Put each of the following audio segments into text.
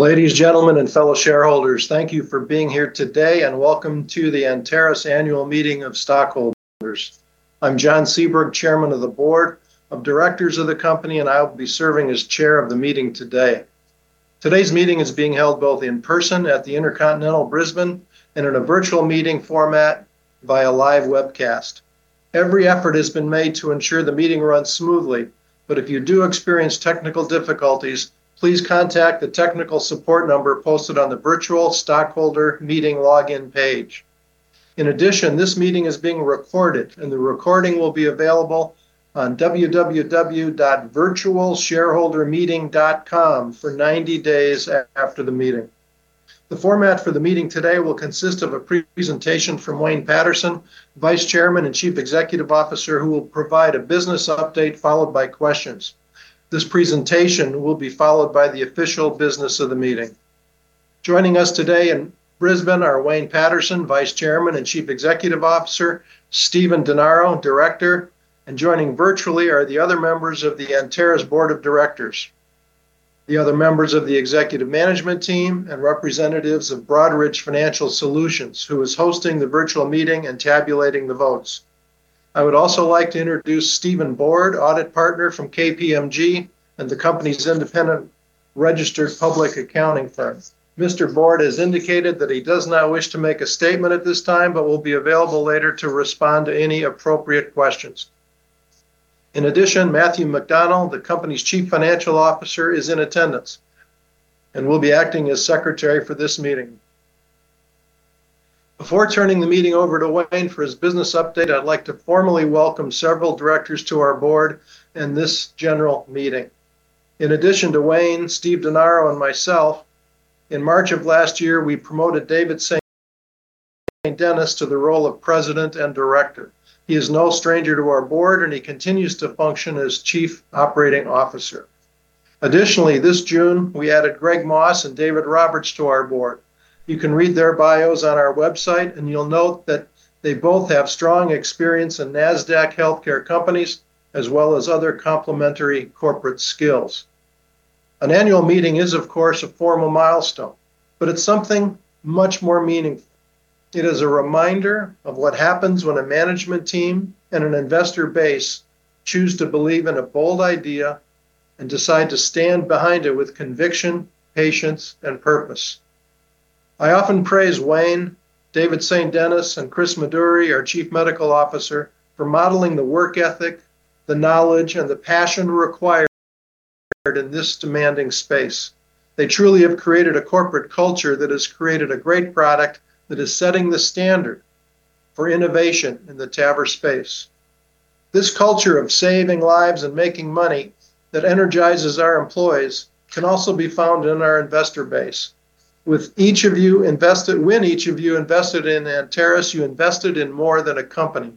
Ladies and gentlemen, and fellow shareholders, thank you for being here today, and welcome to the Anteris Annual Meeting of Stockholders. I'm John Seaberg, Chairman of the Board of Directors of the company, and I will be serving as Chair of the meeting today. Today's meeting is being held both in person at the InterContinental Brisbane and in a virtual meeting format via live webcast. Every effort has been made to ensure the meeting runs smoothly, but if you do experience technical difficulties, please contact the technical support number posted on the Virtual Stockholder Meeting login page. In addition, this meeting is being recorded, and the recording will be available on www.virtualshareholdermeeting.com for 90 days after the meeting. The format for the meeting today will consist of a presentation from Wayne Paterson, Vice Chairman and Chief Executive Officer, who will provide a business update followed by questions. This presentation will be followed by the official business of the meeting. Joining us today in Brisbane are Wayne Paterson, Vice Chairman and Chief Executive Officer, Stephen Denaro, Director, and joining virtually are the other members of the Anteris Board of Directors, the other members of the Executive Management Team, and representatives of Broadridge Financial Solutions, who is hosting the virtual meeting and tabulating the votes. I would also like to introduce Stephen Board, Audit Partner from KPMG and the company's independent registered public accounting firm. Mr. Board has indicated that he does not wish to make a statement at this time, but will be available later to respond to any appropriate questions. In addition, Matthew McDonnell, the company's Chief Financial Officer, is in attendance and will be acting as Secretary for this meeting. Before turning the meeting over to Wayne for his business update, I'd like to formally welcome several directors to our board and this general meeting. In addition to Wayne, Stephen Denaro, and myself, in March of last year, we promoted David St Denis to the role of President and Director. He is no stranger to our board, and he continues to function as Chief Operating Officer. Additionally, this June, we added Greg Moss and David Roberts to our board. You can read their bios on our website, and you'll note that they both have strong experience in NASDAQ healthcare companies as well as other complementary corporate skills. An annual meeting is, of course, a formal milestone, but it's something much more meaningful. It is a reminder of what happens when a management team and an investor base choose to believe in a bold idea and decide to stand behind it with conviction, patience, and purpose. I often praise Wayne, David St Denis, and Chris Meduri, our Chief Medical Officer, for modeling the work ethic, the knowledge, and the passion required in this demanding space. They truly have created a corporate culture that has created a great product that is setting the standard for innovation in the TAVR space. This culture of saving lives and making money that energizes our employees can also be found in our investor base. With each of you invested, when each of you invested in Anteris, you invested in more than a company.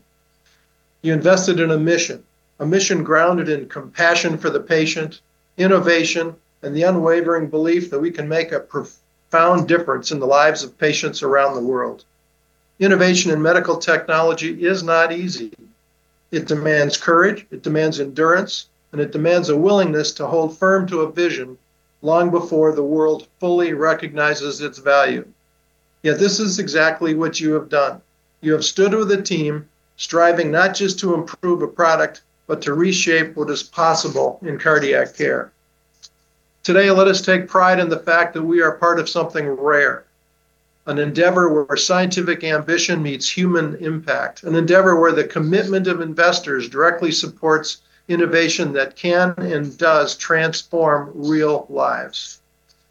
You invested in a mission, a mission grounded in compassion for the patient, innovation, and the unwavering belief that we can make a profound difference in the lives of patients around the world. Innovation in medical technology is not easy. It demands courage, it demands endurance, and it demands a willingness to hold firm to a vision long before the world fully recognizes its value. Yet this is exactly what you have done. You have stood with a team striving not just to improve a product, but to reshape what is possible in cardiac care. Today, let us take pride in the fact that we are part of something rare, an endeavor where scientific ambition meets human impact, an endeavor where the commitment of investors directly supports innovation that can and does transform real lives.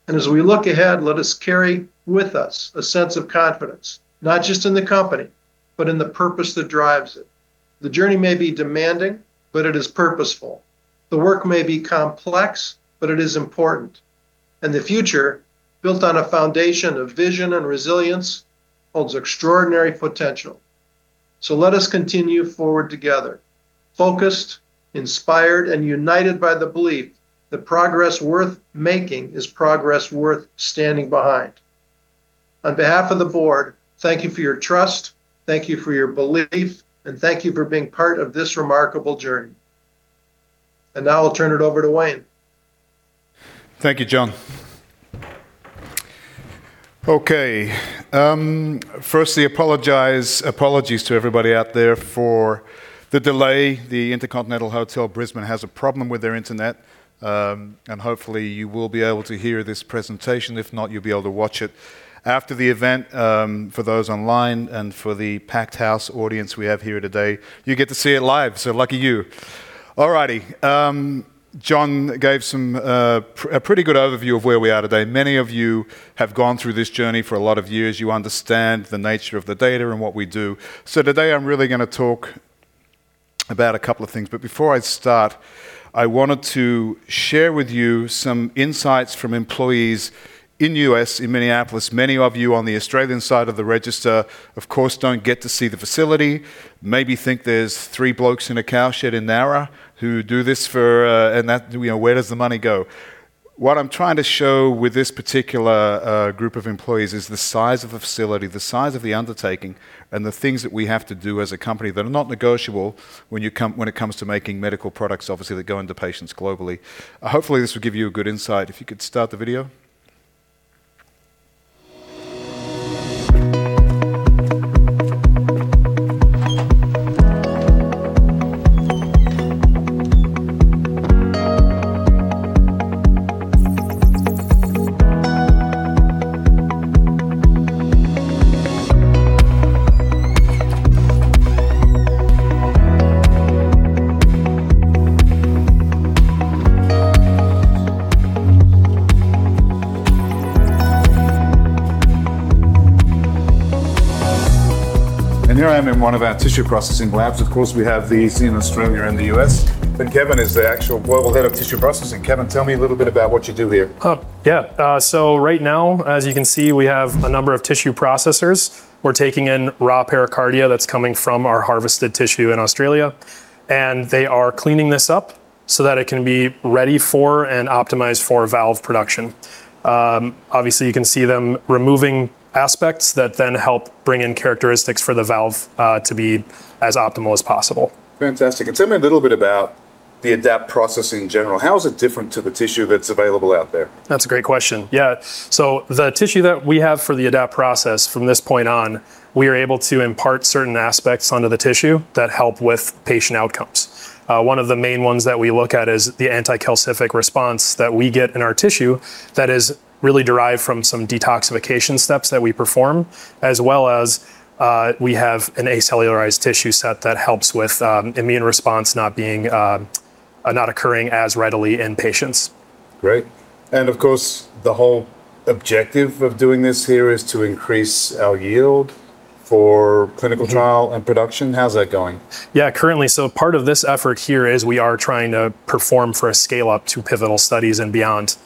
As we look ahead, let us carry with us a sense of confidence, not just in the company, but in the purpose that drives it. The journey may be demanding, but it is purposeful. The work may be complex, but it is important. The future, built on a foundation of vision and resilience, holds extraordinary potential. Let us continue forward together, focused, inspired, and united by the belief that progress worth making is progress worth standing behind. On behalf of the board, thank you for your trust, thank you for your belief, and thank you for being part of this remarkable journey. Now I'll turn it over to Wayne. Thank you, John. Okay. Firstly, apologies to everybody out there for the delay. The InterContinental Brisbane has a problem with their internet, and hopefully you will be able to hear this presentation. If not, you'll be able to watch it after the event. For those online and for the packed house audience we have here today, you get to see it live. So lucky you. All righty. John gave a pretty good overview of where we are today. Many of you have gone through this journey for a lot of years. You understand the nature of the data and what we do. So today I'm really going to talk about a couple of things. But before I start, I wanted to share with you some insights from employees in the U.S. in Minneapolis. Many of you on the Australian side of the register, of course, don't get to see the facility. Maybe think there's three blokes in a cowshed in Nowra who do this for, and that, you know, where does the money go? What I'm trying to show with this particular group of employees is the size of the facility, the size of the undertaking, and the things that we have to do as a company that are not negotiable when it comes to making medical products, obviously, that go into patients globally. Hopefully this will give you a good insight. If you could start the video. And here I am in one of our tissue processing labs. Of course, we have these in Australia and the U.S., and Kevin is the actual global head of tissue processing. Kevin, tell me a little bit about what you do here. Yeah. So right now, as you can see, we have a number of tissue processors. We're taking in raw pericardia that's coming from our harvested tissue in Australia, and they are cleaning this up so that it can be ready for and optimized for valve production. Obviously, you can see them removing aspects that then help bring in characteristics for the valve to be as optimal as possible. Fantastic. And tell me a little bit about the ADAPT process in general. How is it different to the tissue that's available out there? That's a great question. Yeah. So the tissue that we have for the ADAPT process, from this point on, we are able to impart certain aspects onto the tissue that help with patient outcomes. One of the main ones that we look at is the anti-calcific response that we get in our tissue that is really derived from some detoxification steps that we perform, as well as we have an acellularized tissue set that helps with immune response not occurring as readily in patients. Great, and of course, the whole objective of doing this here is to increase our yield for clinical trial and production. How's that going? Yeah, currently. So part of this effort here is we are trying to perform for a scale-up to pivotal studies and beyond.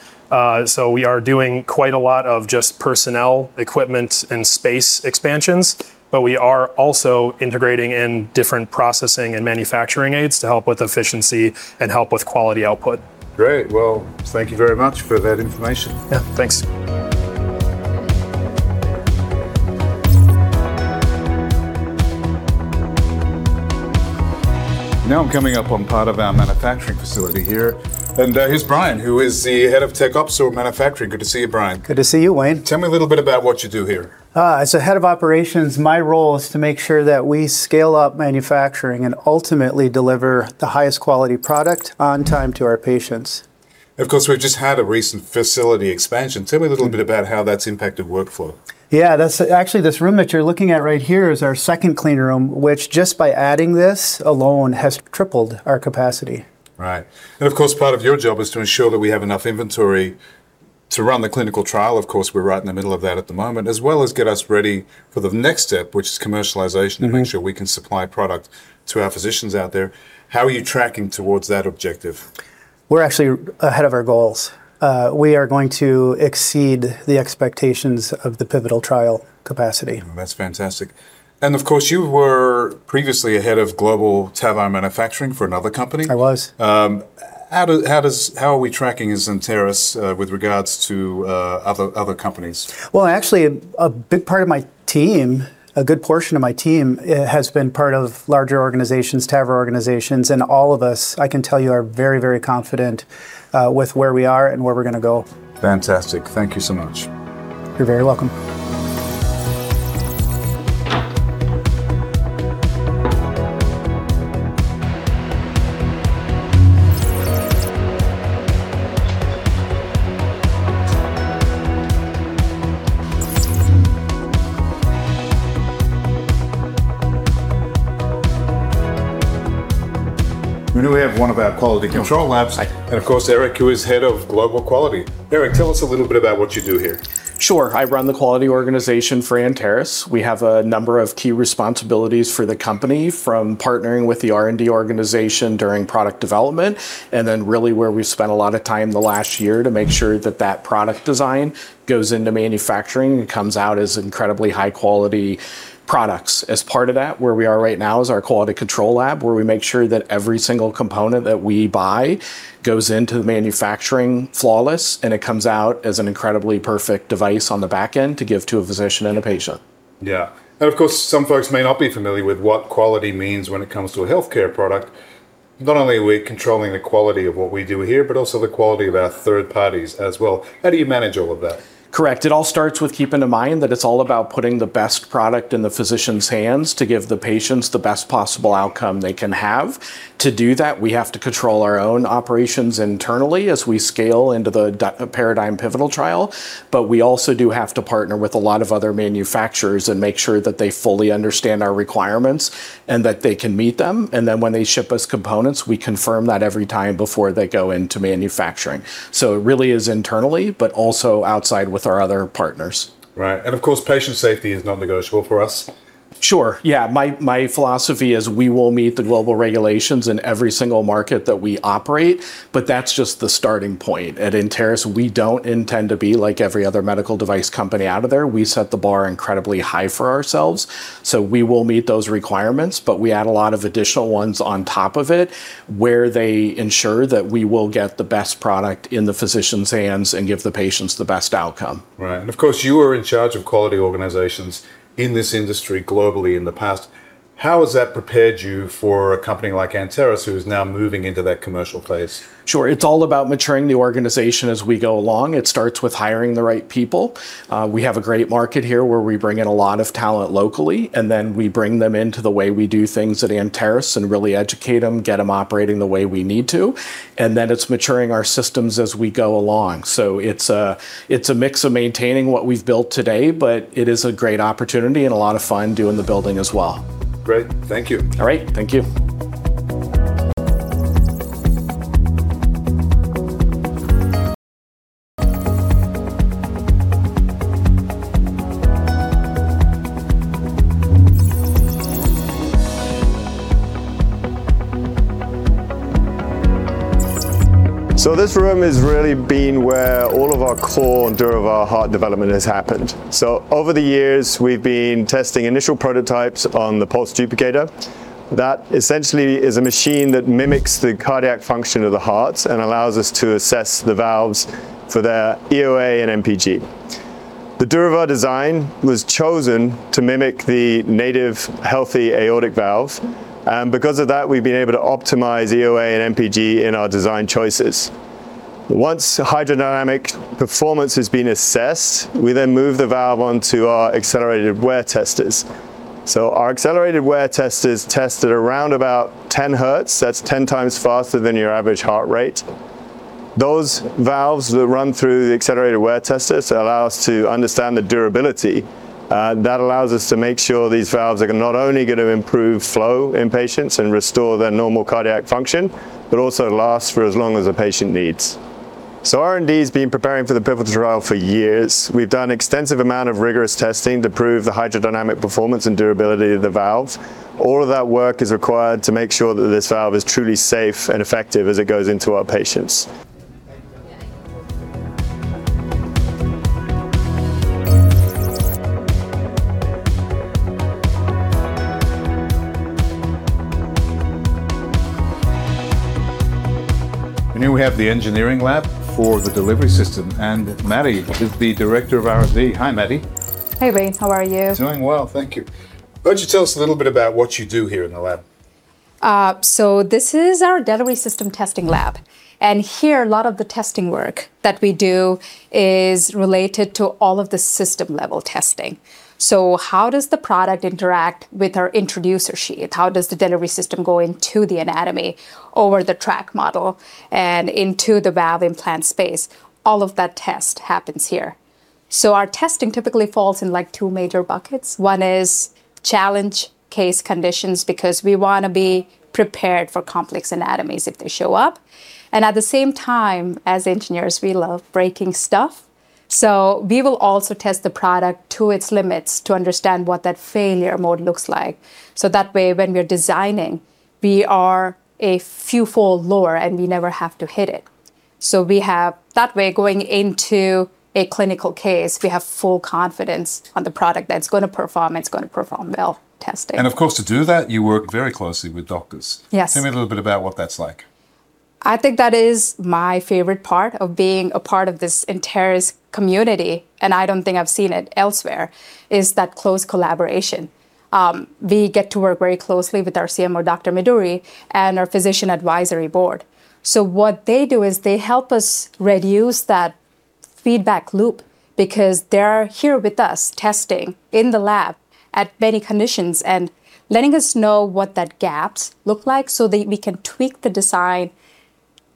So we are doing quite a lot of just personnel, equipment, and space expansions, but we are also integrating in different processing and manufacturing aids to help with efficiency and help with quality output. Great. Well, thank you very much for that information. Yeah, thanks. Now I'm coming up on part of our manufacturing facility here, and here's Brian, who is the head of tech ops or manufacturing. Good to see you, Brian. Good to see you, Wayne. Tell me a little bit about what you do here. As the head of operations, my role is to make sure that we scale up manufacturing and ultimately deliver the highest quality product on time to our patients. Of course, we've just had a recent facility expansion. Tell me a little bit about how that's impacted workflow? Yeah, that's actually this room that you're looking at right here is our second clean room, which just by adding this alone has tripled our capacity. Right. And of course, part of your job is to ensure that we have enough inventory to run the clinical trial. Of course, we're right in the middle of that at the moment, as well as get us ready for the next step, which is commercialization, to make sure we can supply product to our physicians out there. How are you tracking towards that objective? We're actually ahead of our goals. We are going to exceed the expectations of the pivotal trial capacity. That's fantastic. And of course, you were previously a head of global TAVR manufacturing for another company. I was. How are we tracking as Anteris with regards to other companies? Actually, a big part of my team, a good portion of my team, has been part of larger organizations, TAVR organizations, and all of us, I can tell you, are very, very confident with where we are and where we're going to go. Fantastic. Thank you so much. You're very welcome. We have one of our quality control labs, and of course, Eric, who is head of global quality. Eric, tell us a little bit about what you do here. Sure. I run the quality organization for Anteris. We have a number of key responsibilities for the company, from partnering with the R&D organization during product development, and then really where we've spent a lot of time the last year to make sure that that product design goes into manufacturing and comes out as incredibly high-quality products. As part of that, where we are right now is our quality control lab, where we make sure that every single component that we buy goes into the manufacturing flawless and it comes out as an incredibly perfect device on the back end to give to a physician and a patient. Yeah. And of course, some folks may not be familiar with what quality means when it comes to a healthcare product. Not only are we controlling the quality of what we do here, but also the quality of our third parties as well. How do you manage all of that? Correct. It all starts with keeping in mind that it's all about putting the best product in the physician's hands to give the patients the best possible outcome they can have. To do that, we have to control our own operations internally as we scale into the paradigm pivotal trial, but we also do have to partner with a lot of other manufacturers and make sure that they fully understand our requirements and that they can meet them. And then when they ship us components, we confirm that every time before they go into manufacturing. So it really is internally, but also outside with our other partners. Right, and of course, patient safety is non-negotiable for us. Sure. Yeah. My philosophy is we will meet the global regulations in every single market that we operate, but that's just the starting point. At Anteris, we don't intend to be like every other medical device company out of there. We set the bar incredibly high for ourselves. So we will meet those requirements, but we add a lot of additional ones on top of it where they ensure that we will get the best product in the physician's hands and give the patients the best outcome. Right. And of course, you are in charge of quality organizations in this industry globally in the past. How has that prepared you for a company like Anteris, who is now moving into that commercial place? Sure. It's all about maturing the organization as we go along. It starts with hiring the right people. We have a great market here where we bring in a lot of talent locally, and then we bring them into the way we do things at Anteris and really educate them, get them operating the way we need to, and then it's maturing our systems as we go along. So it's a mix of maintaining what we've built today, but it is a great opportunity and a lot of fun doing the building as well. Great. Thank you. All right. Thank you. This room has really been where all of our core and durable heart development has happened. Over the years, we've been testing initial prototypes on the pulse duplicator. That essentially is a machine that mimics the cardiac function of the hearts and allows us to assess the valves for their EOA and MPG. The durable design was chosen to mimic the native healthy aortic valve, and because of that, we've been able to optimize EOA and MPG in our design choices. Once hydrodynamic performance has been assessed, we then move the valve onto our accelerated wear testers. Our accelerated wear testers test at around about 10 Hertz. That's 10 times faster than your average heart rate. Those valves that run through the accelerated wear testers allow us to understand the durability. That allows us to make sure these valves are not only going to improve flow in patients and restore their normal cardiac function, but also last for as long as a patient needs. So R&D has been preparing for the pivotal trial for years. We've done an extensive amount of rigorous testing to prove the hydrodynamic performance and durability of the valve. All of that work is required to make sure that this valve is truly safe and effective as it goes into our patients. And here we have the engineering lab for the delivery system, and Matty is the director of R&D. Hi, Matty. Hey, Ray. How are you? Doing well. Thank you. Why don't you tell us a little bit about what you do here in the lab? This is our delivery system testing lab. Here, a lot of the testing work that we do is related to all of the system-level testing. How does the product interact with our introducer sheath? How does the delivery system go into the anatomy over the track model and into the valve implant space? All of that test happens here. Our testing typically falls in like two major buckets. One is challenge case conditions because we want to be prepared for complex anatomies if they show up. At the same time, as engineers, we love breaking stuff. We will also test the product to its limits to understand what that failure mode looks like. That way, when we're designing, we are a few fold lower and we never have to hit it. So that way, going into a clinical case, we have full confidence on the product that's going to perform and it's going to perform well testing. Of course, to do that, you work very closely with doctors. Yes. Tell me a little bit about what that's like. I think that is my favorite part of being a part of this Anteris community, and I don't think I've seen it elsewhere, is that close collaboration. We get to work very closely with our CMO, Dr. Meduri, and our physician advisory board. So what they do is they help us reduce that feedback loop because they're here with us testing in the lab at many conditions and letting us know what that gaps look like so that we can tweak the design,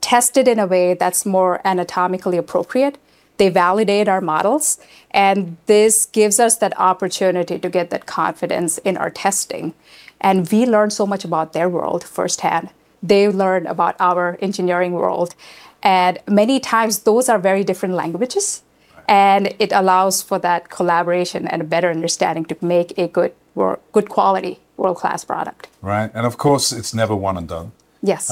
test it in a way that's more anatomically appropriate. They validate our models, and this gives us that opportunity to get that confidence in our testing. And we learn so much about their world firsthand. They learn about our engineering world. And many times, those are very different languages, and it allows for that collaboration and a better understanding to make a good, good quality, world-class product. Right. And of course, it's never one and done. Yes.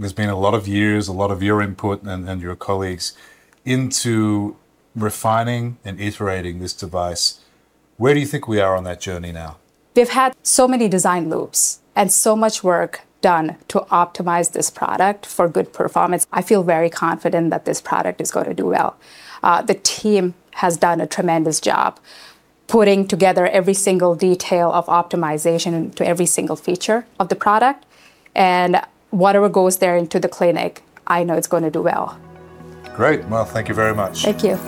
There's been a lot of years, a lot of your input and your colleagues into refining and iterating this device. Where do you think we are on that journey now? We've had so many design loops and so much work done to optimize this product for good performance. I feel very confident that this product is going to do well. The team has done a tremendous job putting together every single detail of optimization to every single feature of the product, and whatever goes there into the clinic, I know it's going to do well. Great. Well, thank you very much. Thank you.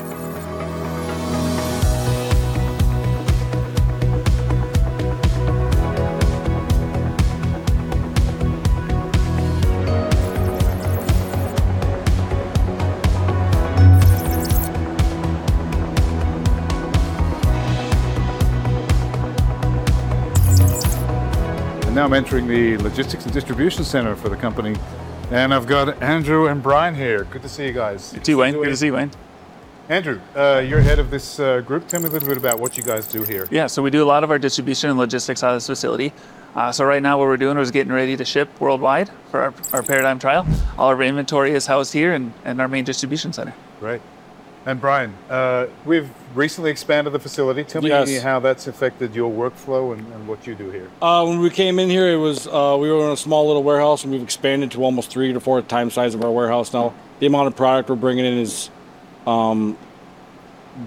Now I'm entering the logistics and distribution center for the company. I've got Andrew and Brian here. Good to see you guys. You too, Wayne. Good to see you, Wayne. Andrew, you're head of this group. Tell me a little bit about what you guys do here. Yeah, so we do a lot of our distribution and logistics out of this facility. So right now, what we're doing is getting ready to ship worldwide for our paradigm trial. All of our inventory is housed here in our main distribution center. Great. And Brian, we've recently expanded the facility. Tell me how that's affected your workflow and what you do here? When we came in here, we were in a small little warehouse, and we've expanded to almost three to four times the size of our warehouse now. The amount of product we're bringing in has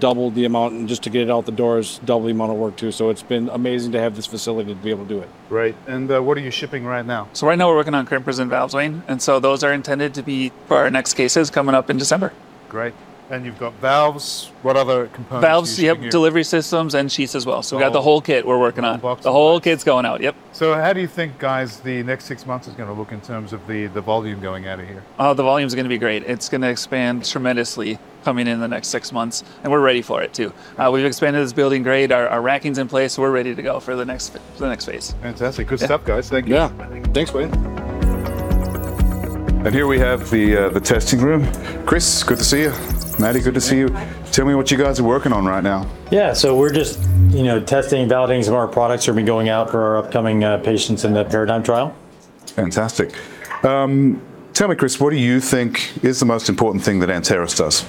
doubled the amount, and just to get it out the door is double the amount of work too, so it's been amazing to have this facility to be able to do it. Great, and what are you shipping right now? Right now, we're working on current-present valves, Wayne. Those are intended to be for our next cases coming up in December. Great. And you've got valves. What other components? Valves, yep, delivery systems and sheets as well. So we've got the whole kit we're working on. The whole kit's going out, yep. How do you think, guys, the next six months is going to look in terms of the volume going out of here? Oh, the volume is going to be great. It's going to expand tremendously coming in the next six months, and we're ready for it too. We've expanded this building great. Our racking's in place. We're ready to go for the next phase. Fantastic. Good stuff, guys. Thank you. Yeah. Thanks, Wayne. And here we have the testing room. Chris, good to see you. Matty, good to see you. Tell me what you guys are working on right now. Yeah, so we're just testing and validating some of our products that are going out for our upcoming patients in the paradigm trial. Fantastic. Tell me, Chris, what do you think is the most important thing that Anteris does?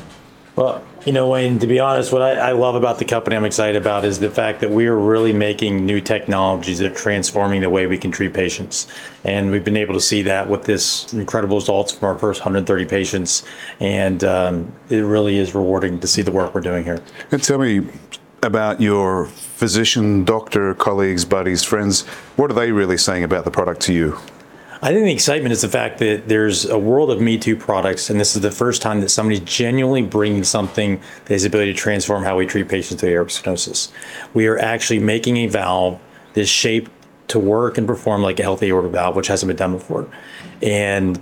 Well, you know, Wayne, to be honest, what I love about the company I'm excited about is the fact that we are really making new technologies that are transforming the way we can treat patients. And we've been able to see that with these incredible results from our first 130 patients. And it really is rewarding to see the work we're doing here. And tell me about your physician, doctor, colleagues, buddies, friends. What are they really saying about the product to you? I think the excitement is the fact that there's a world of me-too products, and this is the first time that somebody's genuinely bringing something that has the ability to transform how we treat patients with aortic stenosis. We are actually making a valve that's shaped to work and perform like a healthy aortic valve, which hasn't been done before. And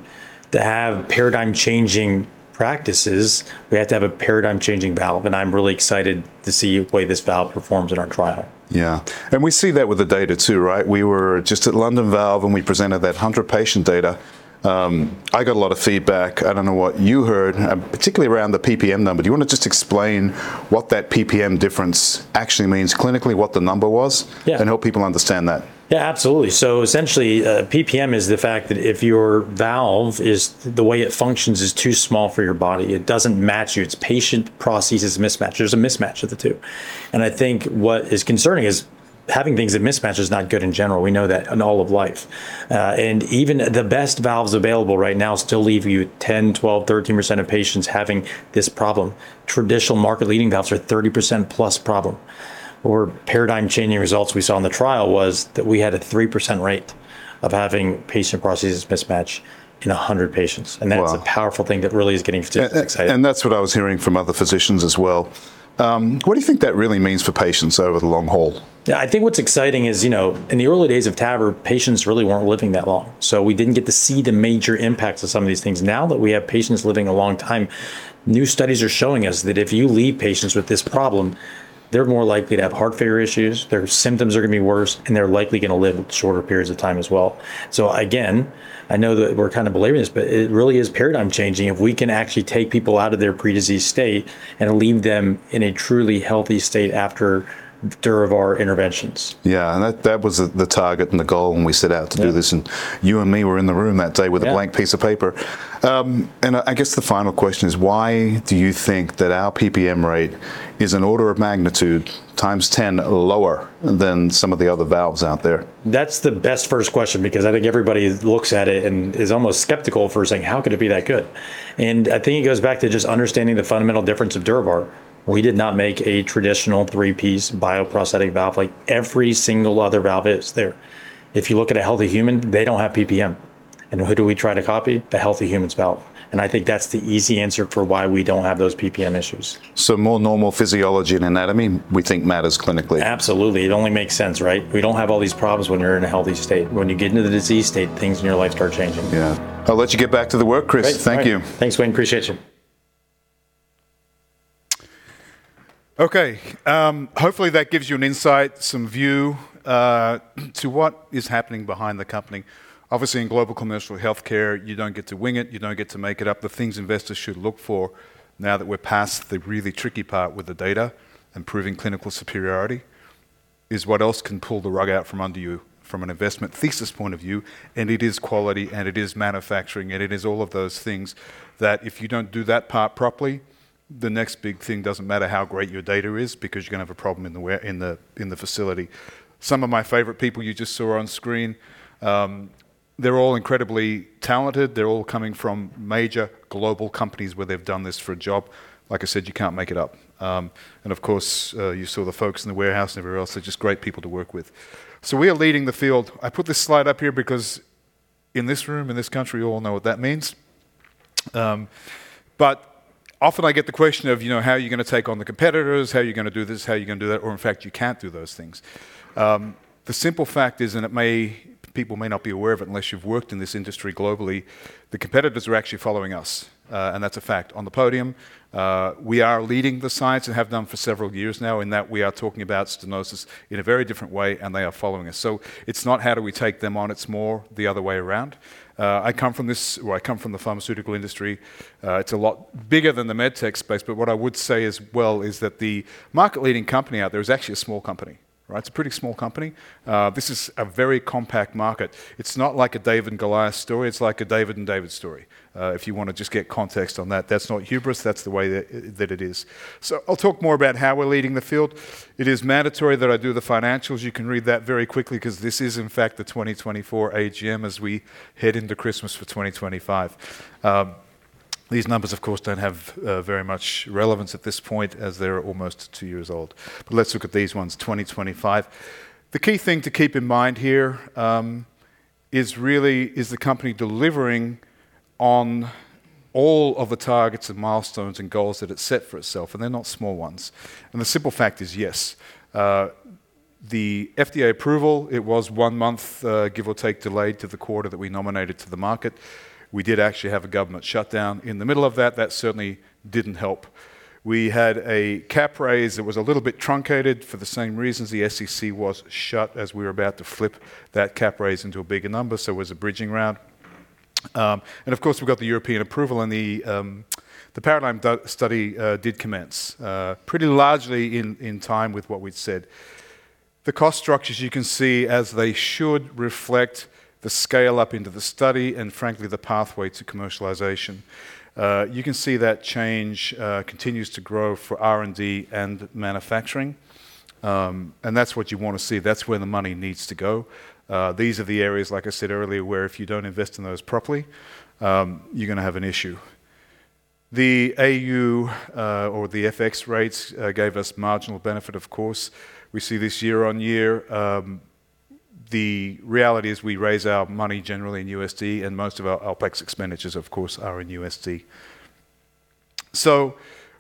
to have paradigm-changing practices, we have to have a paradigm-changing valve. And I'm really excited to see the way this valve performs in our trial. Yeah. And we see that with the data too, right? We were just at London Valves, and we presented that 100-patient data. I got a lot of feedback. I don't know what you heard, particularly around the PPM number. Do you want to just explain what that PPM difference actually means clinically, what the number was? Yeah. And help people understand that. Yeah, absolutely. So essentially, PPM is the fact that if your valve is the way it functions is too small for your body, it doesn't match you. It's patient prosthesis mismatch. There's a mismatch of the two. And I think what is concerning is having things that mismatch is not good in general. We know that in all of life. And even the best valves available right now still leave you 10, 12, 13% of patients having this problem. Traditional market-leading valves are a 30% plus problem. Our paradigm-changing results we saw in the trial was that we had a 3% rate of having patient prosthesis mismatch in 100 patients. And that's a powerful thing that really is getting physicians excited. And that's what I was hearing from other physicians as well. What do you think that really means for patients over the long haul? Yeah, I think what's exciting is, you know, in the early days of TAVR, patients really weren't living that long. So we didn't get to see the major impacts of some of these things. Now that we have patients living a long time, new studies are showing us that if you leave patients with this problem, they're more likely to have heart failure issues, their symptoms are going to be worse, and they're likely going to live shorter periods of time as well. So again, I know that we're kind of believing this, but it really is paradigm-changing if we can actually take people out of their pre-disease state and leave them in a truly healthy state after the durable interventions. Yeah. And that was the target and the goal when we set out to do this. And you and me were in the room that day with a blank piece of paper. And I guess the final question is, why do you think that our PPM rate is an order of magnitude times 10 lower than some of the other valves out there? That's the best first question because I think everybody looks at it and is almost skeptical for saying, "How could it be that good?" And I think it goes back to just understanding the fundamental difference of DurAVR. We did not make a traditional three-piece bioprosthetic valve like every single other valve is there. If you look at a healthy human, they don't have PPM. And who do we try to copy? The healthy human's valve. And I think that's the easy answer for why we don't have those PPM issues. So more normal physiology and anatomy, we think matters clinically. Absolutely. It only makes sense, right? We don't have all these problems when you're in a healthy state. When you get into the disease state, things in your life start changing. Yeah. I'll let you get back to the work, Chris. Thank you. Thanks, Wayne. Appreciate you. Okay. Hopefully, that gives you an insight, some view to what is happening behind the company. Obviously, in global commercial healthcare, you don't get to wing it. You don't get to make it up. The things investors should look for now that we're past the really tricky part with the data and proving clinical superiority is what else can pull the rug out from under you from an investment thesis point of view, and it is quality, and it is manufacturing, and it is all of those things that if you don't do that part properly, the next big thing doesn't matter how great your data is because you're going to have a problem in the facility. Some of my favorite people you just saw on screen, they're all incredibly talented. They're all coming from major global companies where they've done this for a job. Like I said, you can't make it up. And of course, you saw the folks in the warehouse and everywhere else. They're just great people to work with. So we are leading the field. I put this slide up here because in this room, in this country, you all know what that means. But often I get the question of, you know, how are you going to take on the competitors? How are you going to do this? How are you going to do that? Or in fact, you can't do those things. The simple fact is, and people may not be aware of it unless you've worked in this industry globally, the competitors are actually following us. And that's a fact on the podium. We are leading the science and have done for several years now in that we are talking about stenosis in a very different way, and they are following us. So it's not, how do we take them on? It's more the other way around. I come from this, or I come from the pharmaceutical industry. It's a lot bigger than the med tech space. But what I would say as well is that the market-leading company out there is actually a small company, right? It's a pretty small company. This is a very compact market. It's not like a David and Goliath story. It's like a David and David story. If you want to just get context on that, that's not hubris. That's the way that it is. So I'll talk more about how we're leading the field. It is mandatory that I do the financials. You can read that very quickly because this is, in fact, the 2024 AGM as we head into Christmas for 2025. These numbers, of course, don't have very much relevance at this point as they're almost two years old. But let's look at these ones, 2025. The key thing to keep in mind here is really, is the company delivering on all of the targets and milestones and goals that it's set for itself? And they're not small ones. And the simple fact is, yes. The FDA approval, it was one month, give or take, delayed to the quarter that we nominated to the market. We did actually have a government shutdown in the middle of that. That certainly didn't help. We had a cap raise that was a little bit truncated for the same reasons. The SEC was shut as we were about to flip that cap raise into a bigger number, so it was a bridging round, and of course, we got the European approval, and the paradigm study did commence pretty largely in time with what we'd said. The cost structures, you can see as they should reflect the scale-up into the study and, frankly, the pathway to commercialization. You can see that change continues to grow for R&D and manufacturing, and that's what you want to see. That's where the money needs to go. These are the areas, like I said earlier, where if you don't invest in those properly, you're going to have an issue. The AU or the FX rates gave us marginal benefit, of course. We see this year on year. The reality is we raise our money generally in USD, and most of our OpEx expenditures, of course, are in USD. So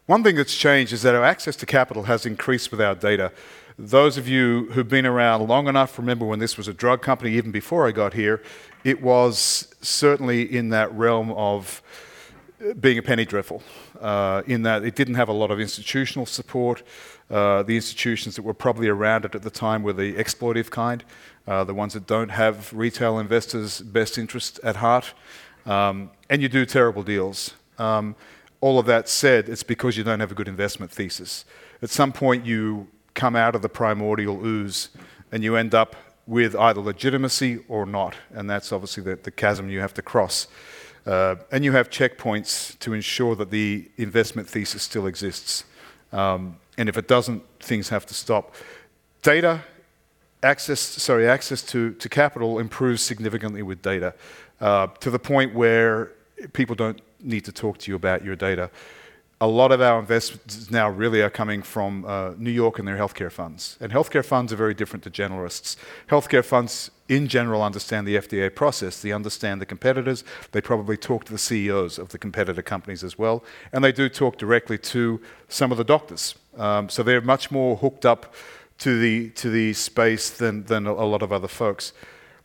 one thing that's changed is that our access to capital has increased with our data. Those of you who've been around long enough remember when this was a drug company. Even before I got here, it was certainly in that realm of being a penny dreadful in that it didn't have a lot of institutional support. The institutions that were probably around it at the time were the exploitative kind, the ones that don't have retail investors' best interests at heart, and you do terrible deals. All of that said, it's because you don't have a good investment thesis. At some point, you come out of the primordial ooze, and you end up with either legitimacy or not, and that's obviously the chasm you have to cross. You have checkpoints to ensure that the investment thesis still exists. If it doesn't, things have to stop. Data access, sorry, access to capital improves significantly with data to the point where people don't need to talk to you about your data. A lot of our investments now really are coming from New York and their healthcare funds. Healthcare funds are very different to generalists. Healthcare funds in general understand the FDA process. They understand the competitors. They probably talk to the CEOs of the competitor companies as well. They do talk directly to some of the doctors. They're much more hooked up to the space than a lot of other folks.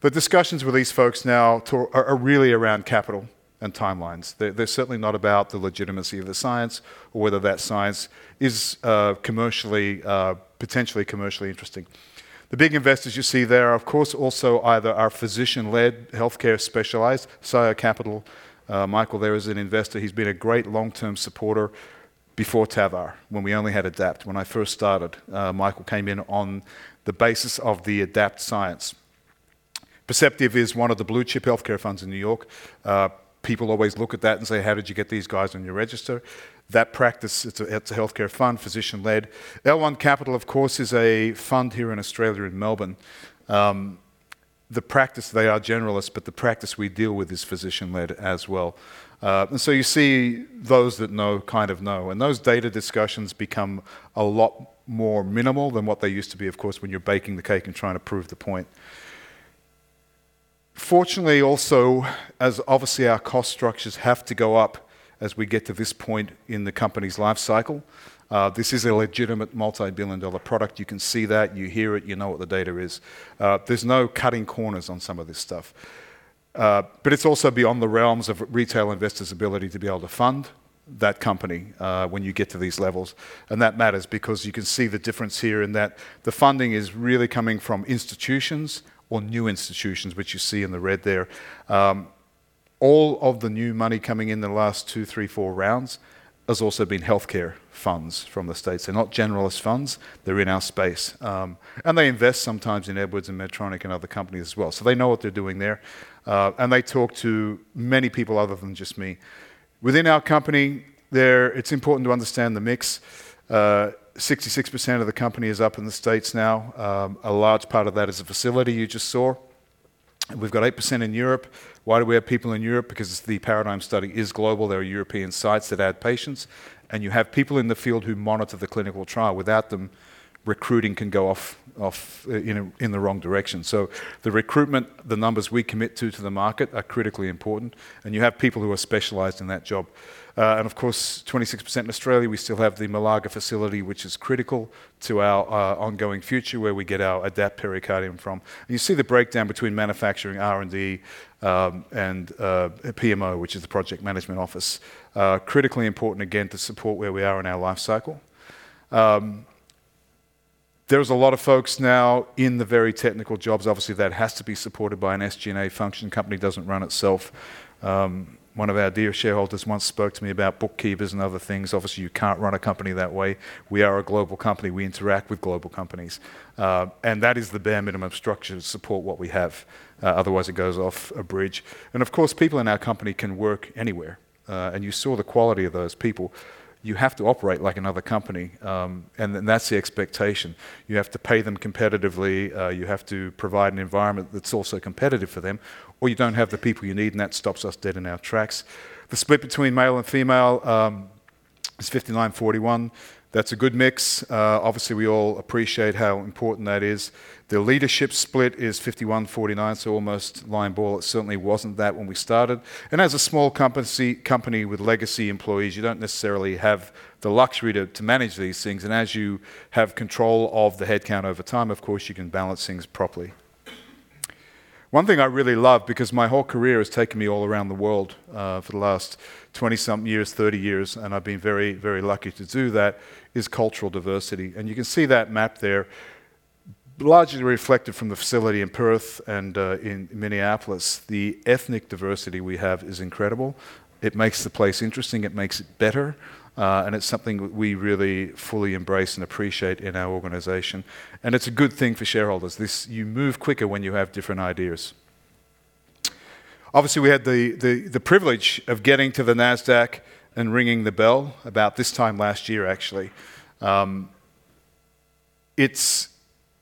The discussions with these folks now are really around capital and timelines. They're certainly not about the legitimacy of the science or whether that science is potentially commercially interesting. The big investors you see there are, of course, also either our physician-led healthcare specialized, SIO Capital. Michael Castor is an investor. He's been a great long-term supporter before TAVR when we only had ADAPT. When I first started, Michael came in on the basis of the ADAPT science. Perceptive is one of the blue-chip healthcare funds in New York. People always look at that and say, "How did you get these guys on your register?" That Perceptive, it's a healthcare fund, physician-led. L1 Capital, of course, is a fund here in Australia in Melbourne. The practice, they are generalists, but the practice we deal with is physician-led as well. And so you see those that know kind of know. And those data discussions become a lot more minimal than what they used to be, of course, when you're baking the cake and trying to prove the point. Fortunately, also, as obviously our cost structures have to go up as we get to this point in the company's life cycle, this is a legitimate multi-billion dollar product. You can see that. You hear it. You know what the data is. There's no cutting corners on some of this stuff. But it's also beyond the realms of retail investors' ability to be able to fund that company when you get to these levels. And that matters because you can see the difference here in that the funding is really coming from institutions or new institutions, which you see in the red there. All of the new money coming in the last two, three, four rounds has also been healthcare funds from the states. They're not generalist funds. They're in our space. And they invest sometimes in Edwards and Medtronic and other companies as well. So they know what they're doing there. And they talk to many people other than just me. Within our company, it's important to understand the mix. 66% of the company is up in the states now. A large part of that is a facility you just saw. We've got 8% in Europe. Why do we have people in Europe? Because the paradigm study is global. There are European sites that add patients. And you have people in the field who monitor the clinical trial. Without them, recruiting can go off in the wrong direction. So the recruitment, the numbers we commit to to the market are critically important. And you have people who are specialized in that job. And of course, 26% in Australia, we still have the Malaga facility, which is critical to our ongoing future where we get our ADAPT pericardium from. And you see the breakdown between manufacturing, R&D, and PMO, which is the project management office. Critically important again to support where we are in our life cycle. There's a lot of folks now in the very technical jobs. Obviously, that has to be supported by an SG&A function. Company doesn't run itself. One of our dear shareholders once spoke to me about bookkeepers and other things. Obviously, you can't run a company that way. We are a global company. We interact with global companies. And that is the bare minimum structure to support what we have. Otherwise, it goes off a bridge. And of course, people in our company can work anywhere. And you saw the quality of those people. You have to operate like another company. And that's the expectation. You have to pay them competitively. You have to provide an environment that's also competitive for them. or you don't have the people you need, and that stops us dead in our tracks. The split between male and female is 59%-41%. That's a good mix. Obviously, we all appreciate how important that is. The leadership split is 51%-49%. So almost line ball. It certainly wasn't that when we started. And as a small company with legacy employees, you don't necessarily have the luxury to manage these things. And as you have control of the headcount over time, of course, you can balance things properly. One thing I really love because my whole career has taken me all around the world for the last 20-something years, 30 years, and I've been very, very lucky to do that, is cultural diversity. And you can see that map there, largely reflected from the facility in Perth and in Minneapolis. The ethnic diversity we have is incredible. It makes the place interesting. It makes it better. And it's something we really fully embrace and appreciate in our organization. And it's a good thing for shareholders. You move quicker when you have different ideas. Obviously, we had the privilege of getting to the Nasdaq and ringing the bell about this time last year, actually.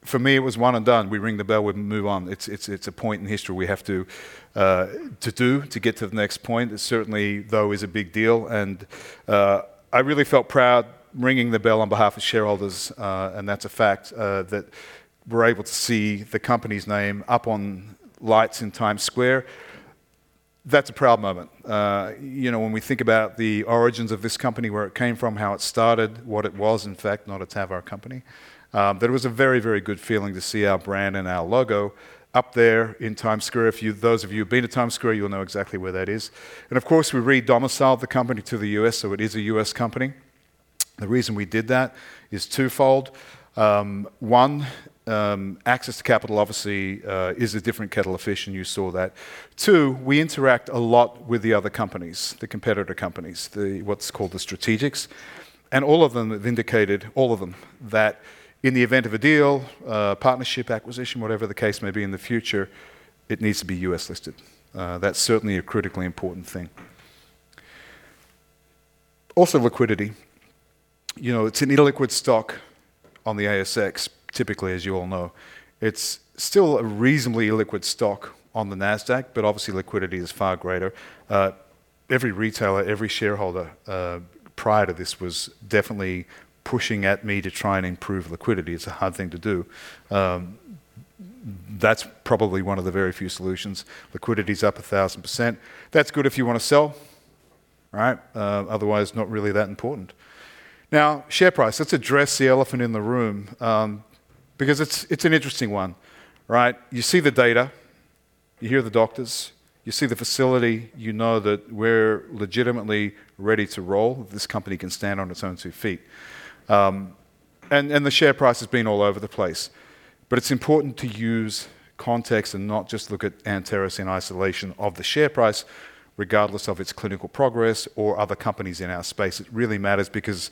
For me, it was one and done. We ring the bell. We move on. It's a point in history we have to do to get to the next point. It certainly, though, is a big deal. And I really felt proud ringing the bell on behalf of shareholders. And that's a fact that we're able to see the company's name up on lights in Times Square. That's a proud moment. You know, when we think about the origins of this company, where it came from, how it started, what it was, in fact, not a TAVR company. There was a very, very good feeling to see our brand and our logo up there in Times Square. Those of you who've been to Times Square, you'll know exactly where that is. And of course, we re-domiciled the company to the U.S., so it is a U.S. company. The reason we did that is twofold. One, access to capital obviously is a different kettle of fish, and you saw that. Two, we interact a lot with the other companies, the competitor companies, what's called the strategics. And all of them have indicated, all of them, that in the event of a deal, partnership, acquisition, whatever the case may be in the future, it needs to be U.S.-listed. That's certainly a critically important thing. Also, liquidity. You know, it's an illiquid stock on the ASX, typically, as you all know. It's still a reasonably illiquid stock on the Nasdaq, but obviously, liquidity is far greater. Every retailer, every shareholder prior to this was definitely pushing at me to try and improve liquidity. It's a hard thing to do. That's probably one of the very few solutions. Liquidity is up 1,000%. That's good if you want to sell, right? Otherwise, not really that important. Now, share price. Let's address the elephant in the room because it's an interesting one, right? You see the data. You hear the doctors. You see the facility. You know that we're legitimately ready to roll. This company can stand on its own two feet, and the share price has been all over the place. But it's important to use context and not just look at Anteris in isolation of the share price, regardless of its clinical progress or other companies in our space. It really matters because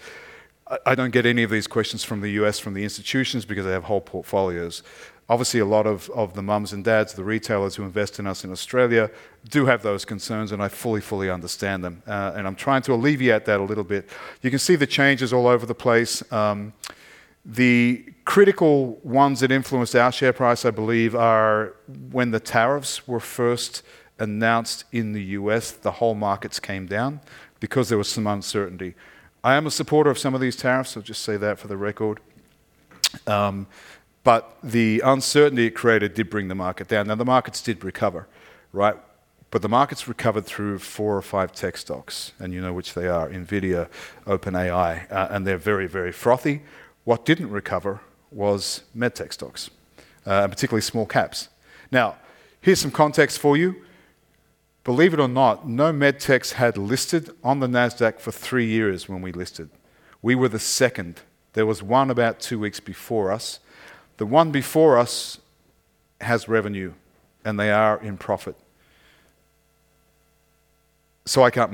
I don't get any of these questions from the U.S., from the institutions, because they have whole portfolios. Obviously, a lot of the moms and dads, the retailers who invest in us in Australia do have those concerns, and I fully, fully understand them. And I'm trying to alleviate that a little bit. You can see the changes all over the place. The critical ones that influence our share price, I believe, are when the tariffs were first announced in the U.S., the whole markets came down because there was some uncertainty. I am a supporter of some of these tariffs. I'll just say that for the record. But the uncertainty it created did bring the market down. Now, the markets did recover, right? But the markets recovered through four or five tech stocks. And you know which they are: Nvidia, OpenAI. And they're very, very frothy. What didn't recover was MedTech stocks, particularly small caps. Now, here's some context for you. Believe it or not, no MedTechs had listed on the Nasdaq for three years when we listed. We were the second. There was one about two weeks before us. The one before us has revenue, and they are in profit. So I can't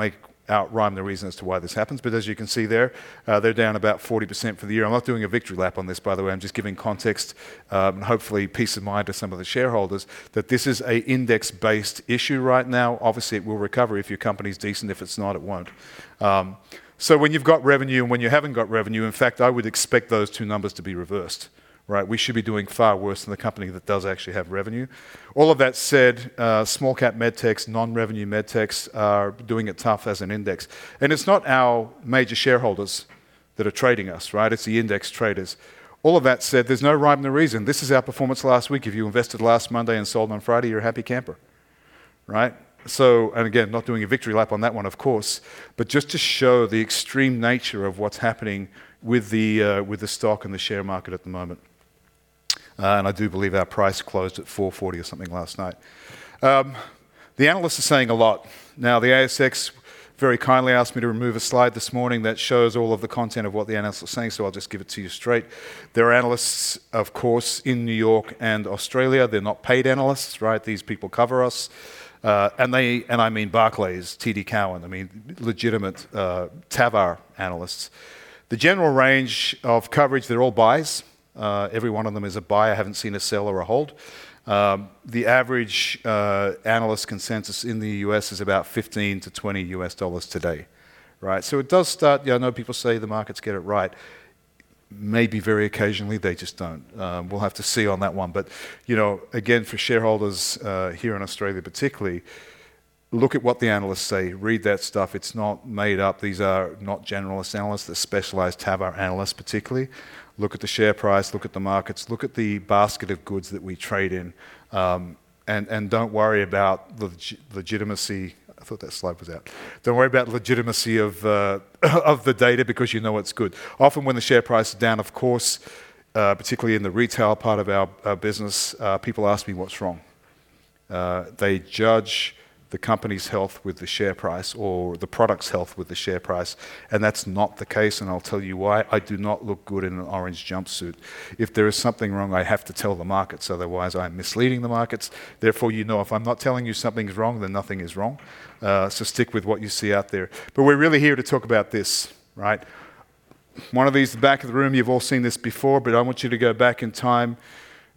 outline the reason as to why this happens. But as you can see there, they're down about 40% for the year. I'm not doing a victory lap on this, by the way. I'm just giving context and hopefully peace of mind to some of the shareholders that this is an index-based issue right now. Obviously, it will recover if your company's decent. If it's not, it won't. So when you've got revenue and when you haven't got revenue, in fact, I would expect those two numbers to be reversed, right? We should be doing far worse than the company that does actually have revenue. All of that said, small cap MedTechs, non-revenue MedTechs are doing it tough as an index, and it's not our major shareholders that are trading us, right? It's the index traders. All of that said, there's no rhyme or reason. This is our performance last week. If you invested last Monday and sold on Friday, you're a happy camper, right? Again, not doing a victory lap on that one, of course, but just to show the extreme nature of what's happening with the stock and the share market at the moment. I do believe our price closed at 4.40 or something last night. The analysts are saying a lot. Now, the ASX very kindly asked me to remove a slide this morning that shows all of the content of what the analysts are saying, so I'll just give it to you straight. There are analysts, of course, in New York and Australia. They're not paid analysts, right? These people cover us. And I mean Barclays, TD Cowen. I mean legitimate TAVR analysts. The general range of coverage, they're all buys. Every one of them is a buy. I haven't seen a sell or a hold. The average analyst consensus in the U.S. is about $15-$20 today, right? So it does start. Yeah, I know people say the markets get it right. Maybe very occasionally they just don't. We'll have to see on that one. But again, for shareholders here in Australia particularly, look at what the analysts say. Read that stuff. It's not made up. These are not generalist analysts. They're specialized TAVR analysts particularly. Look at the share price. Look at the markets. Look at the basket of goods that we trade in. And don't worry about the legitimacy. I thought that slide was out. Don't worry about the legitimacy of the data because you know it's good. Often when the share price is down, of course, particularly in the retail part of our business, people ask me what's wrong. They judge the company's health with the share price or the product's health with the share price. And that's not the case. And I'll tell you why. I do not look good in an orange jumpsuit. If there is something wrong, I have to tell the markets. Otherwise, I'm misleading the markets. Therefore, you know if I'm not telling you something's wrong, then nothing is wrong. So stick with what you see out there. But we're really here to talk about this, right? One of these, the back of the room, you've all seen this before, but I want you to go back in time.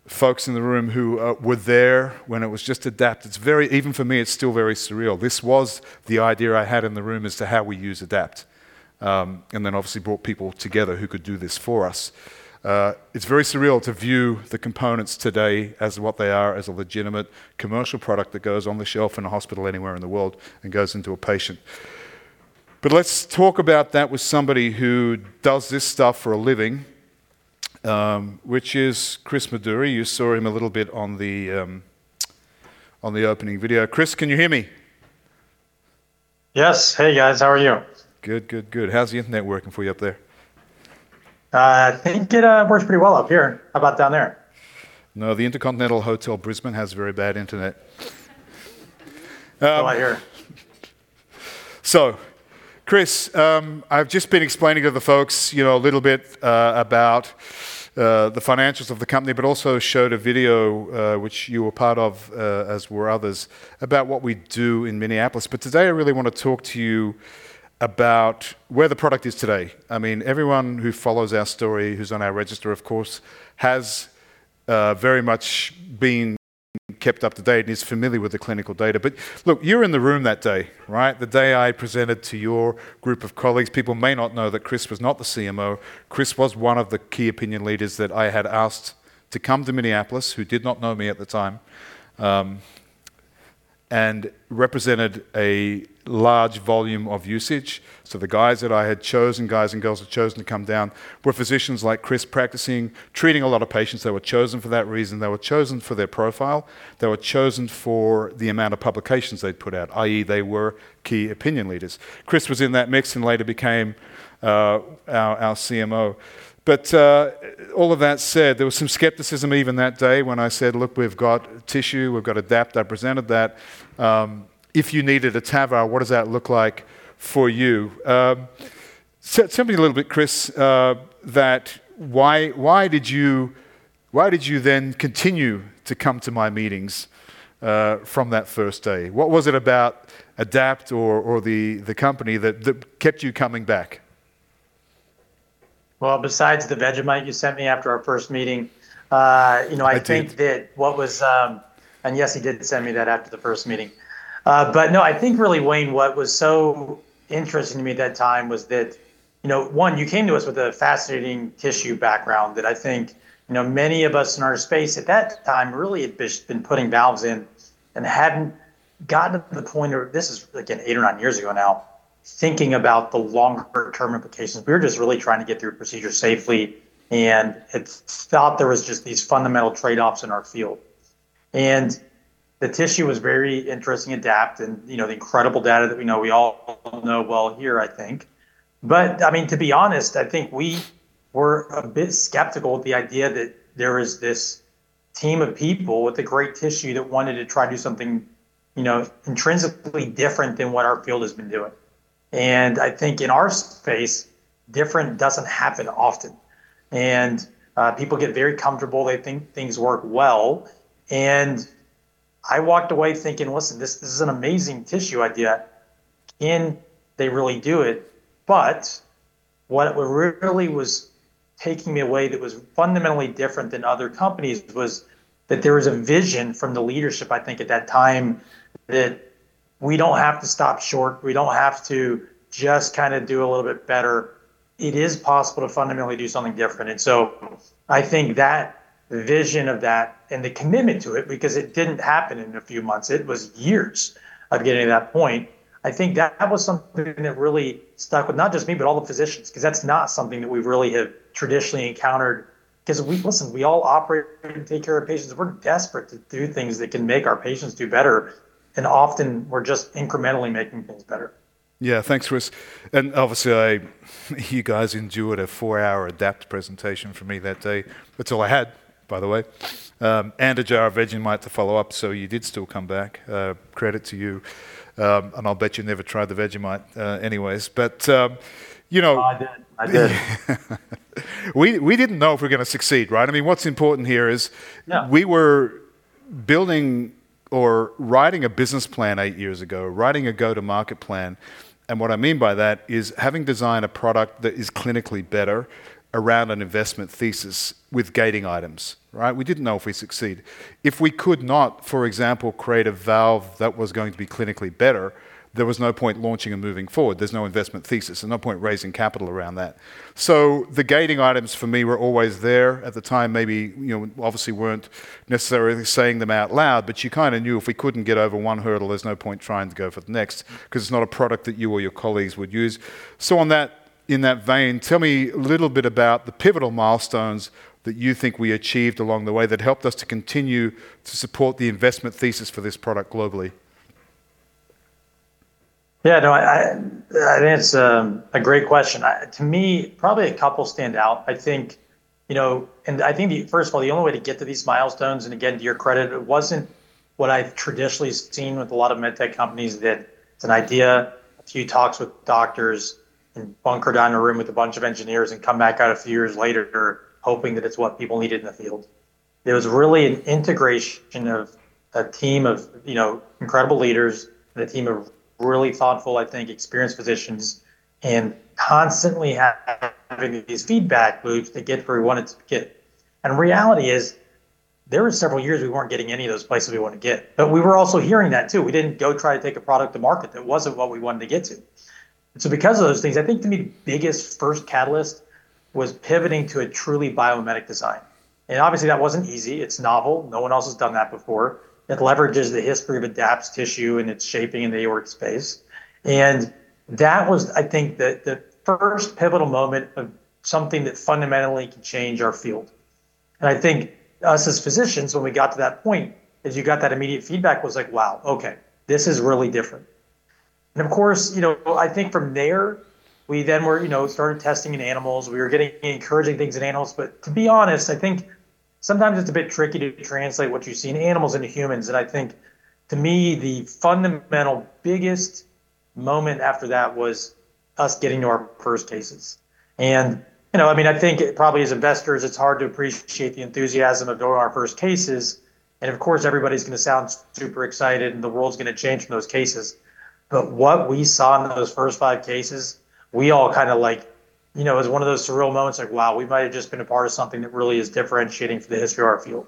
Folks in the room who were there when it was just ADAPT, it's very, even for me, it's still very surreal. This was the idea I had in the room as to how we use ADAPT. And then obviously brought people together who could do this for us. It's very surreal to view the components today as what they are, as a legitimate commercial product that goes on the shelf in a hospital anywhere in the world and goes into a patient. But let's talk about that with somebody who does this stuff for a living, which is Chris Meduri. You saw him a little bit on the opening video. Chris, can you hear me? Yes. Hey, guys. How are you? Good, good, good. How's the internet working for you up there? I think it works pretty well up here. How about down there? No, the InterContinental Hotel Brisbane has very bad internet. I'm still out here. So Chris, I've just been explaining to the folks a little bit about the financials of the company, but also showed a video which you were part of, as were others, about what we do in Minneapolis. But today, I really want to talk to you about where the product is today. I mean, everyone who follows our story, who's on our register, of course, has very much been kept up to date and is familiar with the clinical data. But look, you're in the room that day, right? The day I presented to your group of colleagues, people may not know that Chris was not the CMO. Chris was one of the key opinion leaders that I had asked to come to Minneapolis who did not know me at the time and represented a large volume of usage. The guys that I had chosen, guys and girls that I had chosen to come down, were physicians like Chris practicing, treating a lot of patients. They were chosen for that reason. They were chosen for their profile. They were chosen for the amount of publications they'd put out, i.e., they were key opinion leaders. Chris was in that mix and later became our CMO. But all of that said, there was some skepticism even that day when I said, "Look, we've got tissue. We've got ADAPT." I presented that. If you needed a TAVR, what does that look like for you? Tell me a little bit, Chris. Why did you then continue to come to my meetings from that first day? What was it about ADAPT or the company that kept you coming back? Well, besides the Vegemite you sent me after our first meeting, I think that what was, and yes, he did send me that after the first meeting. But no, I think really, Wayne, what was so interesting to me at that time was that, one, you came to us with a fascinating tissue background that I think many of us in our space at that time really had just been putting valves in and hadn't gotten to the point of, this is like an eight or nine years ago now, thinking about the longer-term implications. We were just really trying to get through procedures safely, and it felt there was just these fundamental trade-offs in our field. And the tissue was very interesting ADAPT and the incredible data that we know we all know well here, I think. But I mean, to be honest, I think we were a bit skeptical of the idea that there is this team of people with the great tissue that wanted to try to do something intrinsically different than what our field has been doing. And I think in our space, different doesn't happen often. And people get very comfortable. They think things work well. And I walked away thinking, "Listen, this is an amazing tissue idea. Can they really do it?" But what really was taking me away that was fundamentally different than other companies was that there was a vision from the leadership, I think at that time, that we don't have to stop short. We don't have to just kind of do a little bit better. It is possible to fundamentally do something different. And so I think that vision of that and the commitment to it, because it didn't happen in a few months. It was years of getting to that point. I think that was something that really stuck with not just me, but all the physicians, because that's not something that we really have traditionally encountered. Because listen, we all operate and take care of patients. We're desperate to do things that can make our patients do better. And often, we're just incrementally making things better. Yeah, thanks, Chris. And obviously, you guys enjoyed a four-hour ADAPT presentation from me that day. That's all I had, by the way. And a jar of Vegemite to follow up. So you did still come back. Credit to you. And I'll bet you never tried the Vegemite anyways. But you know. I did. I did. We didn't know if we're going to succeed, right? I mean, what's important here is we were building or writing a business plan eight years ago, writing a go-to-market plan and what I mean by that is having designed a product that is clinically better around an investment thesis with gating items, right? We didn't know if we'd succeed. If we could not, for example, create a valve that was going to be clinically better, there was no point launching and moving forward. There's no investment thesis and no point raising capital around that so the gating items for me were always there at the time. Maybe obviously weren't necessarily saying them out loud, but you kind of knew if we couldn't get over one hurdle, there's no point trying to go for the next because it's not a product that you or your colleagues would use. So in that vein, tell me a little bit about the pivotal milestones that you think we achieved along the way that helped us to continue to support the investment thesis for this product globally? Yeah, no, I think that's a great question. To me, probably a couple stand out. I think, and I think first of all, the only way to get to these milestones, and again, to your credit, it wasn't what I've traditionally seen with a lot of MedTech companies that it's an idea, a few talks with doctors, and bunker down in a room with a bunch of engineers and come back out a few years later hoping that it's what people needed in the field. It was really an integration of a team of incredible leaders and a team of really thoughtful, I think, experienced physicians and constantly having these feedback loops to get where we wanted to get, and reality is there were several years we weren't getting any of those places we wanted to get. But we were also hearing that too. We didn't go try to take a product to market that wasn't what we wanted to get to. And so because of those things, I think to me, the biggest first catalyst was pivoting to a truly biomimetic design. And obviously, that wasn't easy. It's novel. No one else has done that before. It leverages the history of ADAPT's tissue and its shaping in the aortic space. And that was, I think, the first pivotal moment of something that fundamentally can change our field. And I think us as physicians, when we got to that point, as you got that immediate feedback, was like, "Wow, okay, this is really different." And of course, I think from there, we then started testing in animals. We were getting encouraging things in animals. But to be honest, I think sometimes it's a bit tricky to translate what you see in animals into humans. I think to me, the fundamental biggest moment after that was us getting to our first cases. I mean, I think probably as investors, it's hard to appreciate the enthusiasm of doing our first cases. Of course, everybody's going to sound super excited and the world's going to change from those cases. But what we saw in those first five cases, we all kind of like, it was one of those surreal moments like, "Wow, we might have just been a part of something that really is differentiating for the history of our field."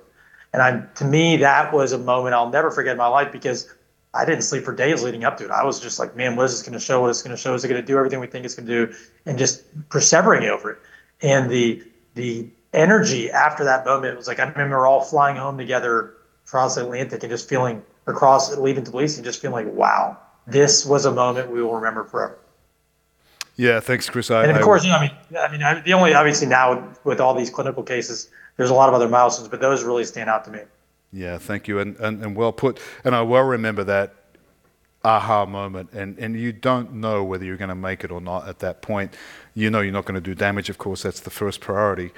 To me, that was a moment I'll never forget in my life because I didn't sleep for days leading up to it. I was just like, "Man, what is this going to show? What is this going to show? Is it going to do everything we think it's going to do?" And just perseverating over it. And the energy after that moment was like, I remember us all flying home together across the Atlantic and just feeling as we were leaving Tbilisi and just feeling like, "Wow, this was a moment we will remember forever. Yeah, thanks, Chris. Of course, I mean, the only obviously now with all these clinical cases, there's a lot of other milestones, but those really stand out to me. Yeah, thank you. And I will remember that aha moment. And you don't know whether you're going to make it or not at that point. You know you're not going to do damage. Of course, that's the first priority.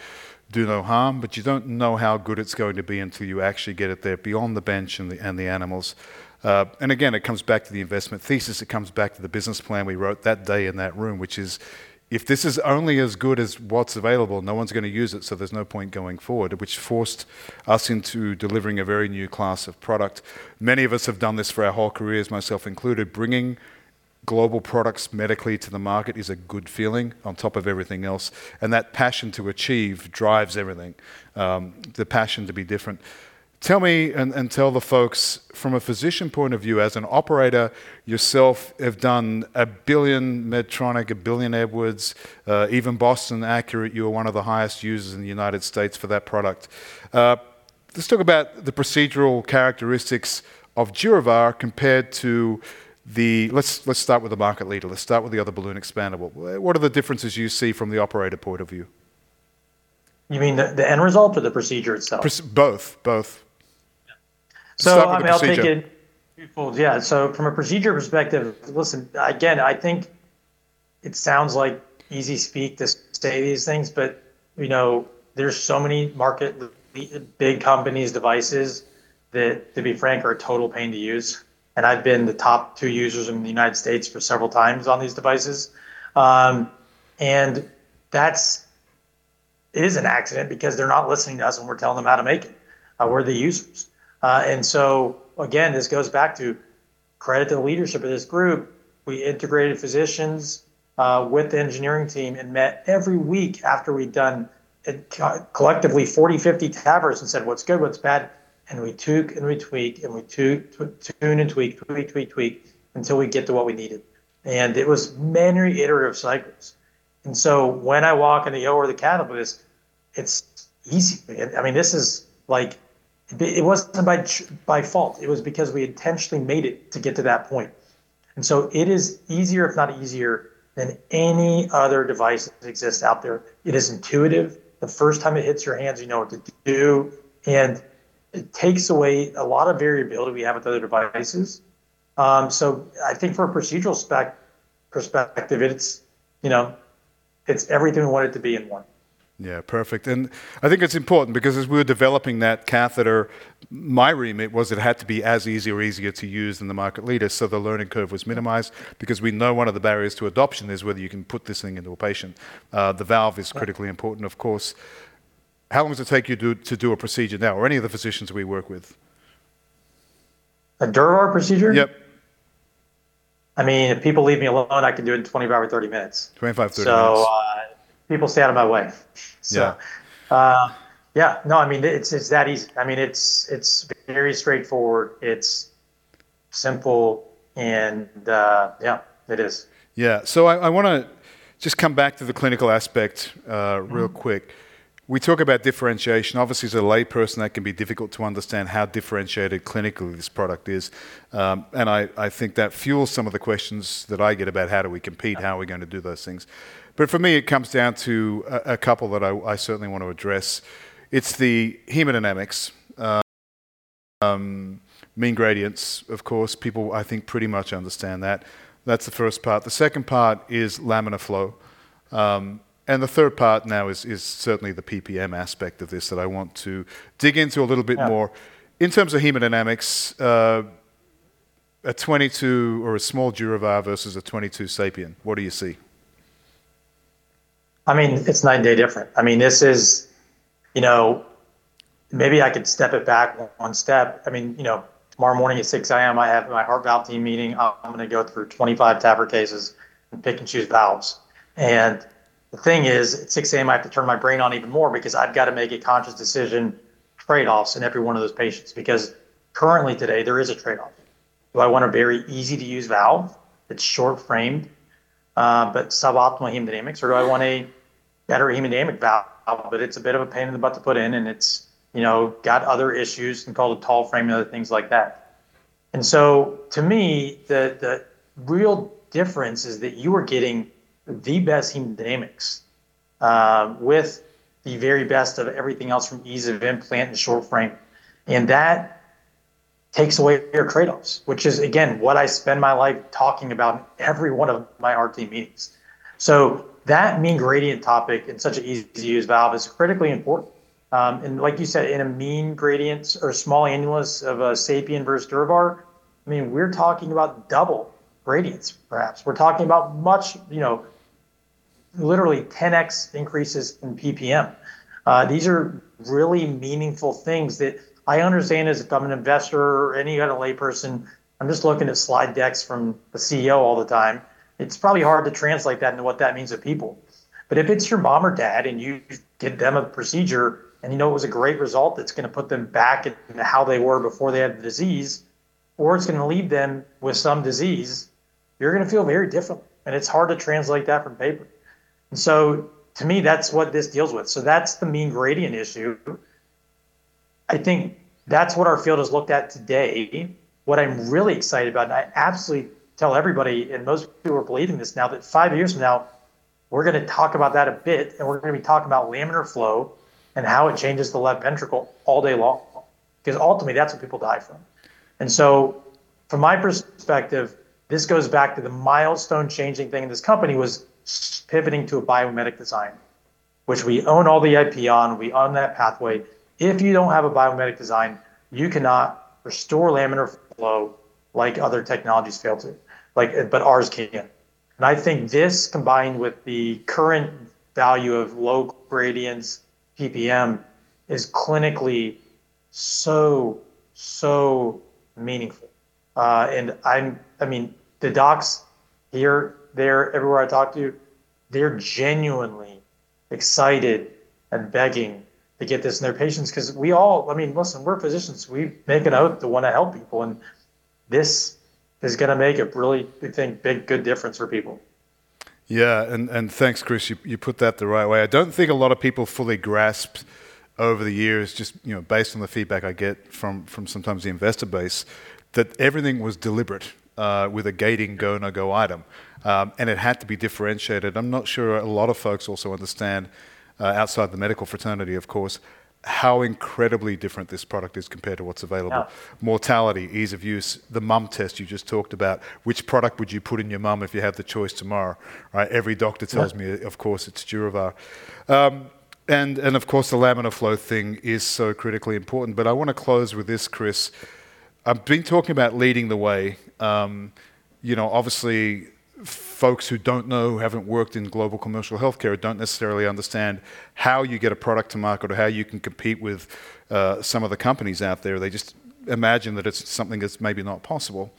Do no harm, but you don't know how good it's going to be until you actually get it there beyond the bench and the animals. And again, it comes back to the investment thesis. It comes back to the business plan we wrote that day in that room, which is if this is only as good as what's available, no one's going to use it, so there's no point going forward, which forced us into delivering a very new class of product. Many of us have done this for our whole careers, myself included. Bringing global products medically to the market is a good feeling on top of everything else. That passion to achieve drives everything. The passion to be different. Tell me and tell the folks from a physician point of view, as an operator yourself, have done a billion Medtronic, a billion Edwards, even Boston Acurate. You are one of the highest users in the United States for that product. Let's talk about the procedural characteristics of DurAVR compared to the, let's start with the market leader. Let's start with the other balloon expandable. What are the differences you see from the operator point of view? You mean the end result or the procedure itself? Both, both. So I'll take it twofold. Yeah, so from a procedure perspective, listen, again, I think it sounds like easy speak to say these things, but there's so many market, big companies, devices that, to be frank, are a total pain to use, and I've been the top two users in the United States for several times on these devices, and that is an accident because they're not listening to us when we're telling them how to make it. We're the users, and so again, this goes back to credit to the leadership of this group. We integrated physicians with the engineering team and met every week after we'd done collectively 40, 50 TAVRs and said, "What's good? What's bad?", and we took and we tweaked and we tuned and tweaked, tweaked, tweaked, tweaked until we get to what we needed, and it was many iterative cycles. When I walk in the OR, the cath lab, it's easy. I mean, this is like, it wasn't by fluke. It was because we intentionally made it to get to that point. It is easier, if not easier, than any other device that exists out there. It is intuitive. The first time it hits your hands, you know what to do. It takes away a lot of variability we have with other devices. I think for a procedural perspective, it's everything we want it to be in one. Yeah, perfect. And I think it's important because as we were developing that catheter, my remit was it had to be as easy or easier to use than the market leaders. So the learning curve was minimized because we know one of the barriers to adoption is whether you can put this thing into a patient. The valve is critically important, of course. How long does it take you to do a procedure now or any of the physicians we work with? A DurAVR procedure? Yep. I mean, if people leave me alone, I can do it in 25 or 30 minutes. 25-30 minutes. So people stay out of my way. So yeah, no, I mean, it's that easy. I mean, it's very straightforward. It's simple. And yeah, it is. Yeah. So I want to just come back to the clinical aspect real quick. We talk about differentiation. Obviously, as a lay person, that can be difficult to understand how differentiated clinically this product is. And I think that fuels some of the questions that I get about how do we compete, how are we going to do those things. But for me, it comes down to a couple that I certainly want to address. It's the hemodynamics, mean gradients, of course. People, I think, pretty much understand that. That's the first part. The second part is laminar flow. And the third part now is certainly the PPM aspect of this that I want to dig into a little bit more. In terms of hemodynamics, a 22 or a small DurAVR versus a 22 SAPIEN, what do you see? I mean, it's night and day different. I mean, this is, maybe I could step it back one step. I mean, tomorrow morning at 6:00 A.M., I have my heart valve team meeting. I'm going to go through 25 TAVR cases and pick and choose valves. And the thing is, at 6:00 A.M., I have to turn my brain on even more because I've got to make a conscious decision trade-offs in every one of those patients because currently today, there is a trade-off. Do I want a very easy-to-use valve that's short-framed but suboptimal hemodynamics? Or do I want a better hemodynamic valve, but it's a bit of a pain in the butt to put in and it's got other issues and called a tall frame and other things like that? And so to me, the real difference is that you are getting the best hemodynamics with the very best of everything else from ease of implant and short frame. And that takes away your trade-offs, which is, again, what I spend my life talking about in every one of my RT meetings. So that mean gradient topic and such an easy-to-use valve is critically important. And like you said, in a mean gradient or small annulus of a SAPIEN versus DurAVR, I mean, we're talking about double gradients, perhaps. We're talking about literally 10x increases in PPM. These are really meaningful things that I understand as if I'm an investor or any other layperson, I'm just looking at slide decks from the CEO all the time. It's probably hard to translate that into what that means to people. But if it's your mom or dad and you did them a procedure and you know it was a great result that's going to put them back into how they were before they had the disease, or it's going to leave them with some disease, you're going to feel very different. And it's hard to translate that from paper. And so to me, that's what this deals with. So that's the mean gradient issue. I think that's what our field has looked at today. What I'm really excited about, and I absolutely tell everybody and most people who are believing this now that five years from now, we're going to talk about that a bit and we're going to be talking about laminar flow and how it changes the left ventricle all day long because ultimately that's what people die from. And so from my perspective, this goes back to the milestone changing thing in this company was pivoting to a biomimetic design, which we own all the IP on. We own that pathway. If you don't have a biomimetic design, you cannot restore laminar flow like other technologies fail to, but ours can. And I think this combined with the current value of low gradients PPM is clinically so, so meaningful. And I mean, the docs here, there, everywhere I talk to, they're genuinely excited and begging to get this in their patients because we all, I mean, listen, we're physicians. We make an oath to want to help people. And this is going to make a really, I think, big good difference for people. Yeah. And thanks, Chris. You put that the right way. I don't think a lot of people fully grasped over the years, just based on the feedback I get from sometimes the investor base, that everything was deliberate with a gating go/no-go item. And it had to be differentiated. I'm not sure a lot of folks also understand outside the medical fraternity, of course, how incredibly different this product is compared to what's available. Mortality, ease of use, the mum test you just talked about, which product would you put in your mum if you had the choice tomorrow, right? Every doctor tells me, of course, it's DurAVR. And of course, the laminar flow thing is so critically important. But I want to close with this, Chris. I've been talking about leading the way. Obviously, folks who don't know, who haven't worked in global commercial healthcare, don't necessarily understand how you get a product to market or how you can compete with some of the companies out there. They just imagine that it's something that's maybe not possible.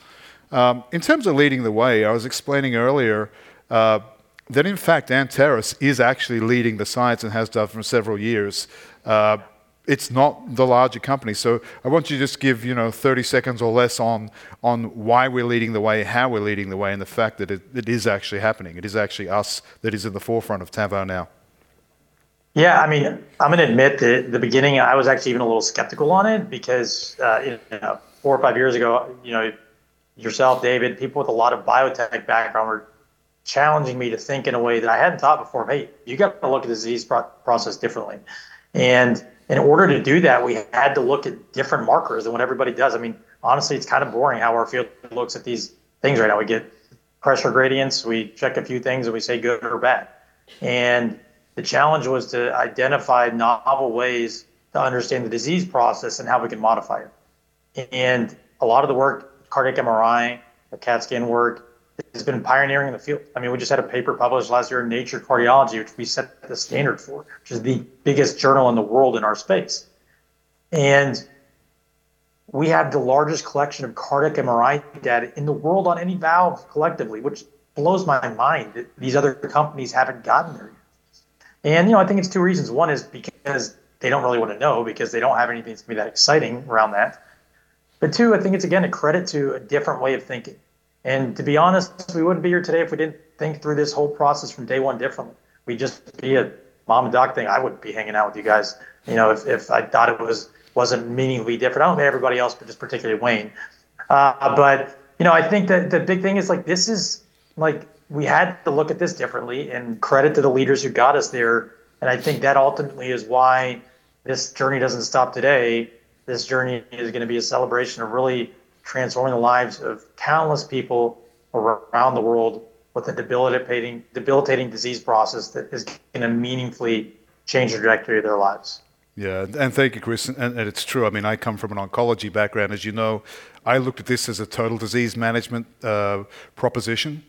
In terms of leading the way, I was explaining earlier that in fact, Anteris is actually leading the science and has done for several years. It's not the larger company. So I want you to just give 30 seconds or less on why we're leading the way, how we're leading the way, and the fact that it is actually happening. It is actually us that is in the forefront of TAVR now. Yeah. I mean, I'm going to admit that at the beginning, I was actually even a little skeptical on it because four or five years ago, yourself, David, people with a lot of biotech background were challenging me to think in a way that I hadn't thought before. Hey, you got to look at the disease process differently. And in order to do that, we had to look at different markers than what everybody does. I mean, honestly, it's kind of boring how our field looks at these things right now. We get pressure gradients, we check a few things, and we say good or bad. And the challenge was to identify novel ways to understand the disease process and how we can modify it. And a lot of the work, cardiac MRI, the CAT scan work, has been pioneering in the field. I mean, we just had a paper published last year in Nature Cardiology, which we set the standard for, which is the biggest journal in the world in our space. We have the largest collection of cardiac MRI data in the world on any valve collectively, which blows my mind that these other companies haven't gotten there yet. I think it's two reasons. One is because they don't really want to know because they don't have anything that's going to be that exciting around that. But two, I think it's, again, a credit to a different way of thinking. To be honest, we wouldn't be here today if we didn't think through this whole process from day one differently. We'd just be a mom and pop thing. I wouldn't be hanging out with you guys if I thought it wasn't meaningfully different. I don't know everybody else, but just particularly Wayne, but I think that the big thing is this is like we had to look at this differently and credit to the leaders who got us there, and I think that ultimately is why this journey doesn't stop today. This journey is going to be a celebration of really transforming the lives of countless people around the world with a debilitating disease process that is going to meaningfully change the trajectory of their lives. Yeah. And thank you, Chris. And it's true. I mean, I come from an oncology background. As you know, I looked at this as a total disease management proposition,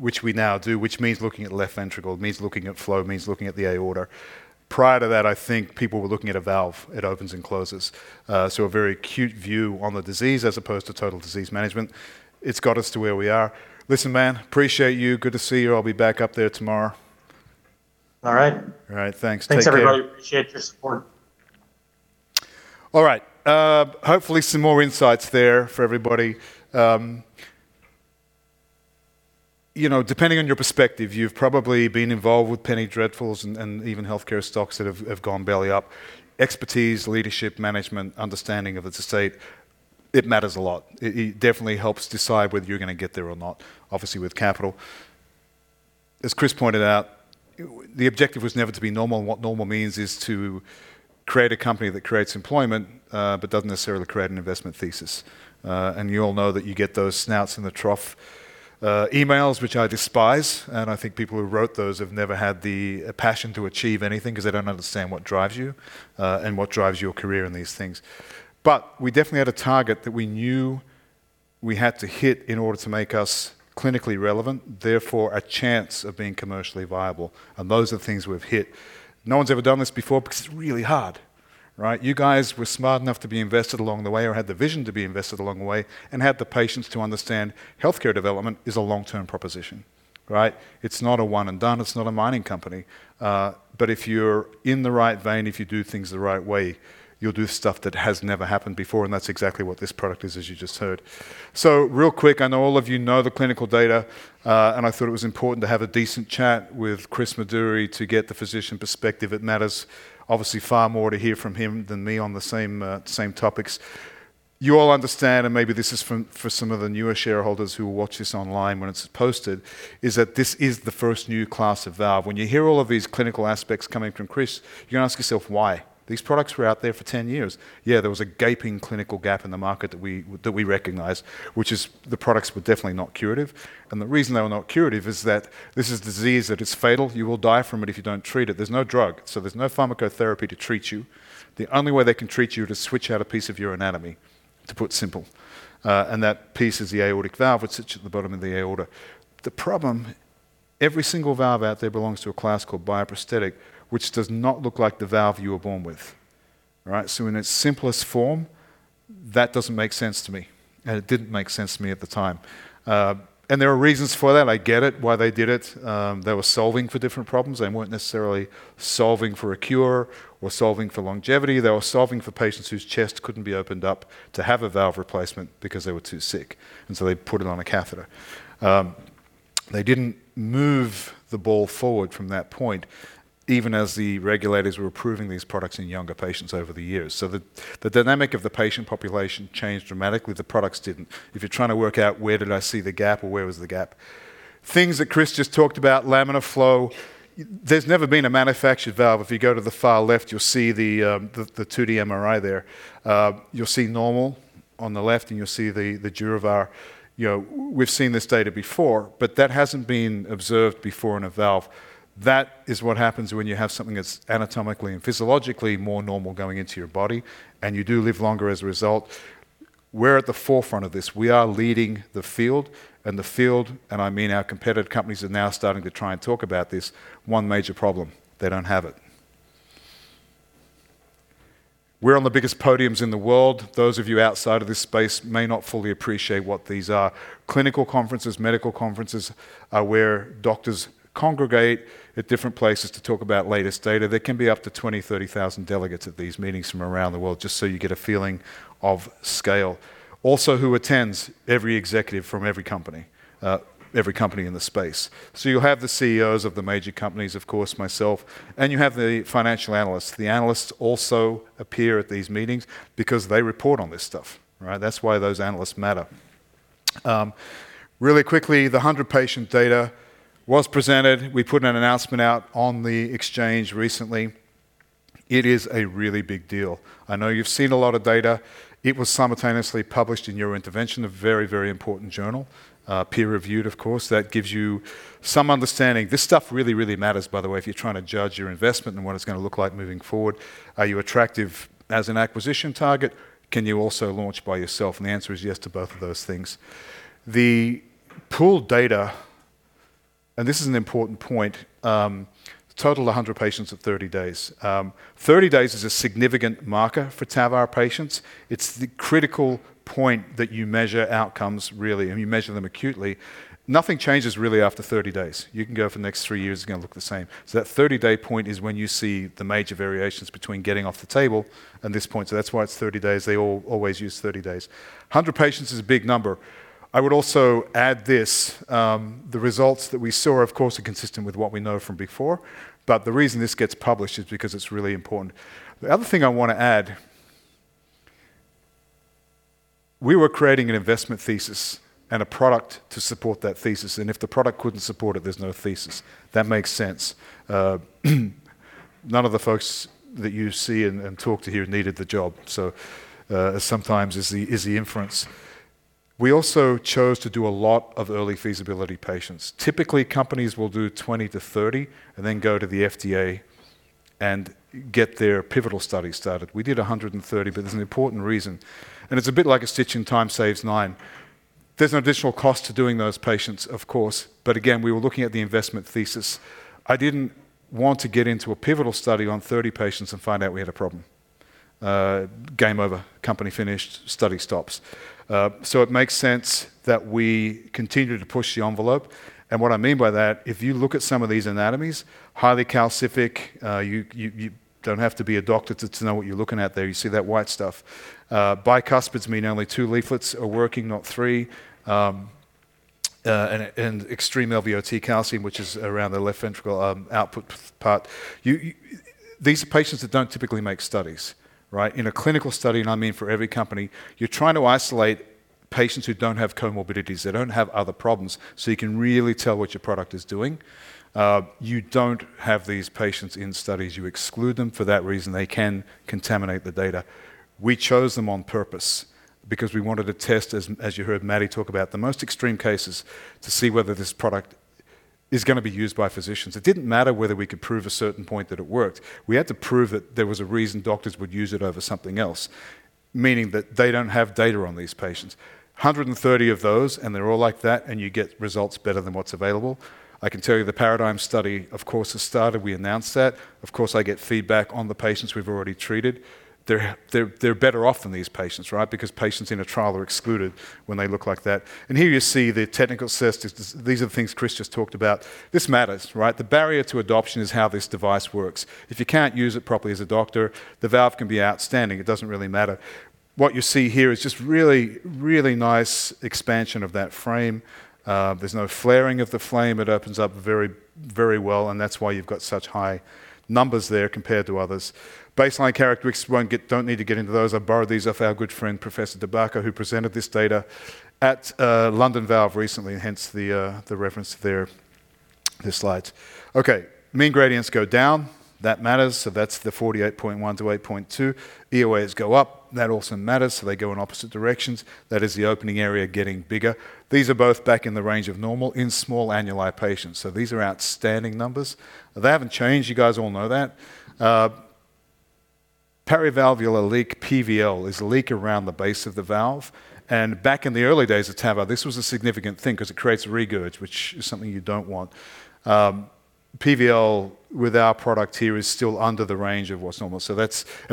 which we now do, which means looking at left ventricle, means looking at flow, means looking at the aorta. Prior to that, I think people were looking at a valve. It opens and closes. So a very acute view on the disease as opposed to total disease management. It's got us to where we are. Listen, man, appreciate you. Good to see you. I'll be back up there tomorrow. All right. All right. Thanks. Thanks, everybody. Appreciate your support. All right. Hopefully, some more insights there for everybody. Depending on your perspective, you've probably been involved with penny dreadfuls and even healthcare stocks that have gone belly up. Expertise, leadership, management, understanding of the state, it matters a lot. It definitely helps decide whether you're going to get there or not, obviously with capital. As Chris pointed out, the objective was never to be normal. What normal means is to create a company that creates employment but doesn't necessarily create an investment thesis. You all know that you get those snouts in the trough emails, which I despise. People who wrote those have never had the passion to achieve anything because they don't understand what drives you and what drives your career in these things. But we definitely had a target that we knew we had to hit in order to make us clinically relevant, therefore a chance of being commercially viable. And those are the things we've hit. No one's ever done this before because it's really hard, right? You guys were smart enough to be invested along the way or had the vision to be invested along the way and had the patience to understand healthcare development is a long-term proposition, right? It's not a one-and-done. It's not a mining company. But if you're in the right vein, if you do things the right way, you'll do stuff that has never happened before. And that's exactly what this product is, as you just heard. So real quick, I know all of you know the clinical data, and I thought it was important to have a decent chat with Chris Meduri to get the physician perspective. It matters, obviously, far more to hear from him than me on the same topics. You all understand, and maybe this is for some of the newer shareholders who will watch this online when it's posted, is that this is the first new class of valve. When you hear all of these clinical aspects coming from Chris, you're going to ask yourself why. These products were out there for 10 years. Yeah, there was a gaping clinical gap in the market that we recognized, which is the products were definitely not curative. And the reason they were not curative is that this is a disease that is fatal. You will die from it if you don't treat it. There's no drug, so there's no pharmacotherapy to treat you. The only way they can treat you is to switch out a piece of your anatomy, to put it simply, and that piece is the aortic valve, which sits at the bottom of the aorta. The problem, every single valve out there belongs to a class called bioprosthetic, which does not look like the valve you were born with, right, so in its simplest form, that doesn't make sense to me, and it didn't make sense to me at the time, and there are reasons for that. I get it why they did it. They were solving for different problems. They weren't necessarily solving for a cure or solving for longevity. They were solving for patients whose chest couldn't be opened up to have a valve replacement because they were too sick, and so they put it on a catheter. They didn't move the ball forward from that point, even as the regulators were approving these products in younger patients over the years. The dynamic of the patient population changed dramatically. The products didn't. If you're trying to work out where did I see the gap or where was the gap? Things that Chris just talked about, laminar flow, there's never been a manufactured valve. If you go to the far left, you'll see the 2D MRI there. You'll see normal on the left, and you'll see the DurAVR. We've seen this data before, but that hasn't been observed before in a valve. That is what happens when you have something that's anatomically and physiologically more normal going into your body, and you do live longer as a result. We're at the forefront of this. We are leading the field. And the field, and I mean our competitor companies, are now starting to try and talk about this one major problem. They don't have it. We're on the biggest podiums in the world. Those of you outside of this space may not fully appreciate what these are. Clinical conferences, medical conferences are where doctors congregate at different places to talk about latest data. There can be up to 20,000, 30,000 delegates at these meetings from around the world, just so you get a feeling of scale. Also, who attends? Every executive from every company, every company in the space. So you'll have the CEOs of the major companies, of course, myself, and you have the financial analysts. The analysts also appear at these meetings because they report on this stuff, right? That's why those analysts matter. Really quickly, the 100-patient data was presented. We put an announcement out on the exchange recently. It is a really big deal. I know you've seen a lot of data. It was simultaneously published in EuroIntervention, a very, very important journal, peer-reviewed, of course. That gives you some understanding. This stuff really, really matters, by the way, if you're trying to judge your investment and what it's going to look like moving forward. Are you attractive as an acquisition target? Can you also launch by yourself? And the answer is yes to both of those things. The pooled data, and this is an important point, totaled 100 patients at 30 days. 30 days is a significant marker for TAVR patients. It's the critical point that you measure outcomes, really, and you measure them acutely. Nothing changes really after 30 days. You can go for the next three years. It's going to look the same. So that 30-day point is when you see the major variations between getting off the table and this point. So that's why it's 30 days. They all always use 30 days. 100 patients is a big number. I would also add this. The results that we saw, of course, are consistent with what we know from before. But the reason this gets published is because it's really important. The other thing I want to add, we were creating an investment thesis and a product to support that thesis. And if the product couldn't support it, there's no thesis. That makes sense. None of the folks that you see and talk to here needed the job. So sometimes is the inference. We also chose to do a lot of early feasibility patients. Typically, companies will do 20-30 and then go to the FDA and get their pivotal studies started. We did 130, but there's an important reason and it's a bit like a stitch in time saves nine. There's an additional cost to doing those patients, of course, but again, we were looking at the investment thesis. I didn't want to get into a pivotal study on 30 patients and find out we had a problem. Game over. Company finished. Study stops, so it makes sense that we continue to push the envelope and what I mean by that, if you look at some of these anatomies, highly calcific, you don't have to be a doctor to know what you're looking at there. You see that white stuff. Bicuspids mean only two leaflets are working, not three and extreme LVOT calcium, which is around the left ventricle output part. These are patients that don't typically make studies, right? In a clinical study, and I mean for every company, you're trying to isolate patients who don't have comorbidities, that don't have other problems, so you can really tell what your product is doing. You don't have these patients in studies. You exclude them for that reason. They can contaminate the data. We chose them on purpose because we wanted to test, as you heard Matty talk about, the most extreme cases to see whether this product is going to be used by physicians. It didn't matter whether we could prove a certain point that it worked. We had to prove that there was a reason doctors would use it over something else, meaning that they don't have data on these patients. 130 of those, and they're all like that, and you get results better than what's available. I can tell you the paradigm study, of course, has started. We announced that. Of course, I get feedback on the patients we've already treated. They're better off than these patients, right? Because patients in a trial are excluded when they look like that, and here you see the technical success. These are the things Chris just talked about. This matters, right? The barrier to adoption is how this device works. If you can't use it properly as a doctor, the valve can be outstanding. It doesn't really matter. What you see here is just really, really nice expansion of that frame. There's no flaring of the frame. It opens up very, very well, and that's why you've got such high numbers there compared to others. Baseline characteristics don't need to get into those. I borrowed these off our good friend, Professor De Backer, who presented this data at London Valves recently, and hence the reference to their slides. Okay. Mean gradients go down. That matters, so that's the 48.1 to 8.2. EOAs go up. That also matters, so they go in opposite directions. That is the opening area getting bigger. These are both back in the range of normal in small annuli patients, so these are outstanding numbers. They haven't changed. You guys all know that. Paravalvular leak, PVL, is a leak around the base of the valve, and back in the early days of TAVR, this was a significant thing because it creates regurg, which is something you don't want. PVL with our product here is still under the range of what's normal, and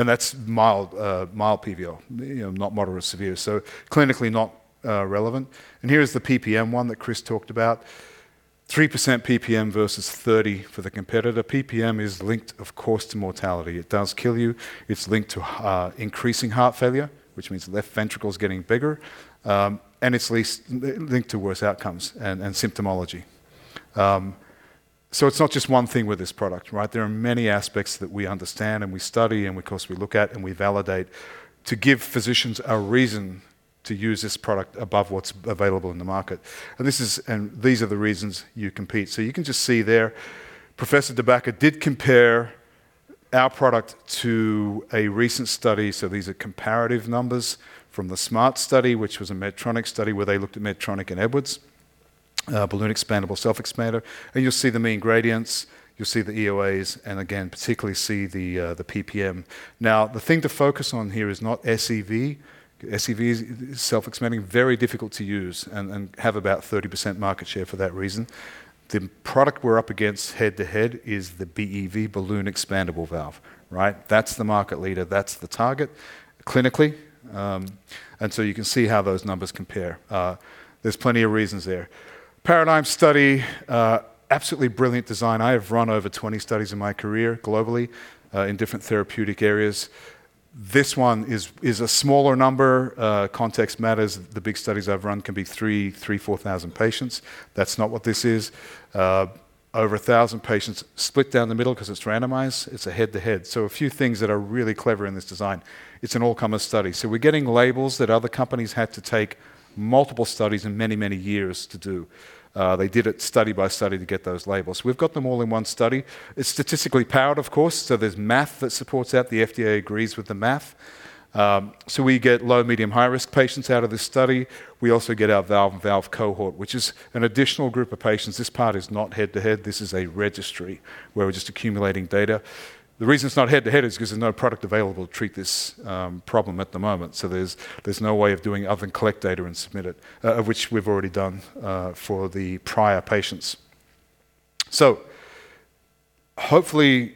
that's mild PVL, not moderate or severe, so clinically not relevant, and here is the PPM one that Chris talked about. 3% PPM versus 30% for the competitor. PPM is linked, of course, to mortality. It does kill you. It's linked to increasing heart failure, which means left ventricle is getting bigger, and it's linked to worse outcomes and symptomology, so it's not just one thing with this product, right? There are many aspects that we understand and we study and, of course, we look at and we validate to give physicians a reason to use this product above what's available in the market, and these are the reasons you compete, so you can just see there, Professor De Backer did compare our product to a recent study. These are comparative numbers from the SMART study, which was a Medtronic study where they looked at Medtronic and Edwards, balloon expandable self-expander. You'll see the mean gradients. You'll see the EOAs and, again, particularly see the PPM. Now, the thing to focus on here is not SEV. SEV is self-expanding, very difficult to use, and have about 30% market share for that reason. The product we're up against head-to-head is the BEV, balloon expandable valve, right? That's the market leader. That's the target clinically. And so you can see how those numbers compare. There's plenty of reasons there. Paradigm study, absolutely brilliant design. I have run over 20 studies in my career globally in different therapeutic areas. This one is a smaller number. Context matters. The big studies I've run can be 3,000, 4,000 patients. That's not what this is. Over 1,000 patients split down the middle because it's randomized. It's a head-to-head. So a few things that are really clever in this design. It's an all-comer study. So we're getting labels that other companies had to take multiple studies and many, many years to do. They did it study by study to get those labels. We've got them all in one study. It's statistically powered, of course. So there's math that supports that. The FDA agrees with the math. So we get low, medium, high-risk patients out of this study. We also get our valve-in-valve cohort, which is an additional group of patients. This part is not head-to-head. This is a registry where we're just accumulating data. The reason it's not head-to-head is because there's no product available to treat this problem at the moment. So there's no way of doing other than collect data and submit it, of which we've already done for the prior patients. So hopefully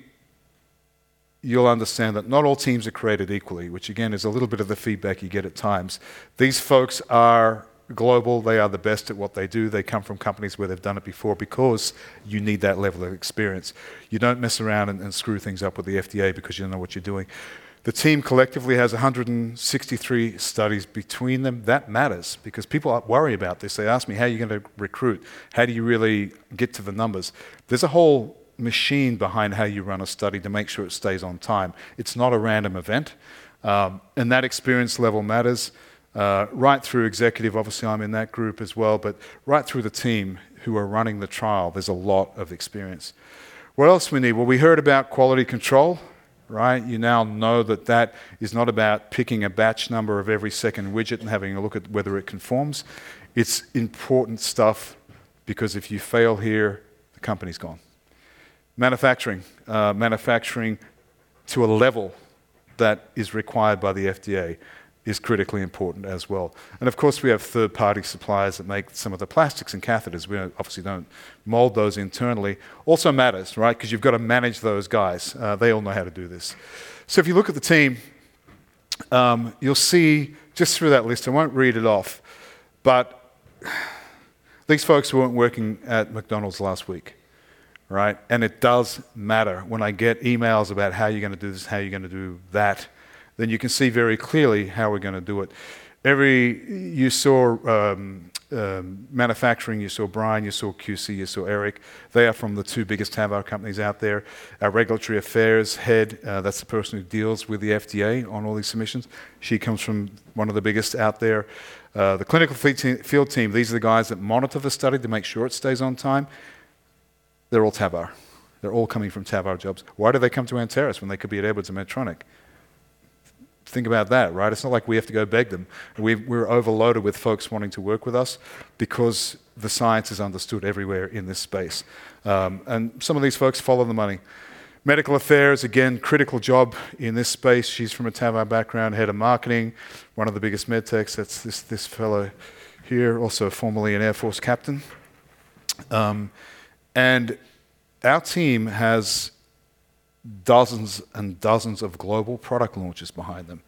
you'll understand that not all teams are created equally, which, again, is a little bit of the feedback you get at times. These folks are global. They are the best at what they do. They come from companies where they've done it before because you need that level of experience. You don't mess around and screw things up with the FDA because you don't know what you're doing. The team collectively has 163 studies between them. That matters because people worry about this. They ask me, "How are you going to recruit? How do you really get to the numbers?" There's a whole machine behind how you run a study to make sure it stays on time. It's not a random event. And that experience level matters right through executive. Obviously, I'm in that group as well. But right through the team who are running the trial, there's a lot of experience. What else do we need? Well, we heard about quality control, right? You now know that that is not about picking a batch number of every second widget and having a look at whether it conforms. It's important stuff because if you fail here, the company's gone. Manufacturing to a level that is required by the FDA is critically important as well, and of course, we have third-party suppliers that make some of the plastics and catheters. We obviously don't mold those internally. Also matters, right? Because you've got to manage those guys. They all know how to do this, so if you look at the team, you'll see just through that list, I won't read it off, but these folks weren't working at McDonald's last week, right, and it does matter when I get emails about how you're going to do this, how you're going to do that, then you can see very clearly how we're going to do it. You saw manufacturing. You saw Brian. You saw QC. You saw Eric. They are from the two biggest TAVR companies out there. Our regulatory affairs head, that's the person who deals with the FDA on all these submissions. She comes from one of the biggest out there. The clinical field team, these are the guys that monitor the study to make sure it stays on time. They're all TAVR. They're all coming from TAVR jobs. Why do they come to Anteris when they could be at Edwards and Medtronic? Think about that, right? It's not like we have to go beg them. We're overloaded with folks wanting to work with us because the science is understood everywhere in this space. And some of these folks follow the money. Medical affairs, again, critical job in this space. She's from a TAVR background, head of marketing, one of the biggest med techs. That's this fellow here, also formerly an Air Force captain, and our team has dozens and dozens of global product launches behind them,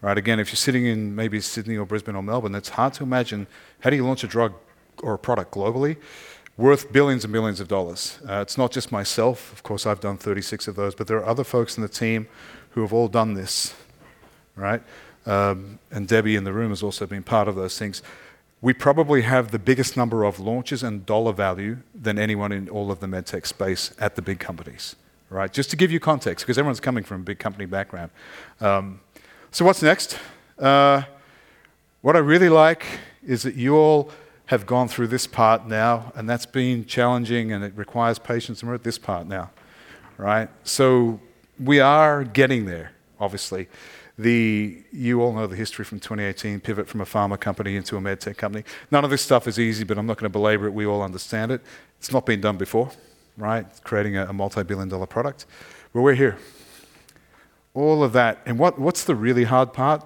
right? Again, if you're sitting in maybe Sydney or Brisbane or Melbourne, it's hard to imagine how do you launch a drug or a product globally worth billions and billions of dollars. It's not just myself. Of course, I've done 36 of those, but there are other folks in the team who have all done this, right? And Debbie in the room has also been part of those things. We probably have the biggest number of launches and dollar value than anyone in all of the med tech space at the big companies, right? Just to give you context because everyone's coming from a big company background, so what's next? What I really like is that you all have gone through this part now, and that's been challenging, and it requires patience, and we're at this part now, right, so we are getting there, obviously. You all know the history from 2018, pivot from a pharma company into a med tech company. None of this stuff is easy, but I'm not going to belabor it. We all understand it. It's not been done before, right? Creating a multi-billion-dollar product, well, we're here. All of that, and what's the really hard part?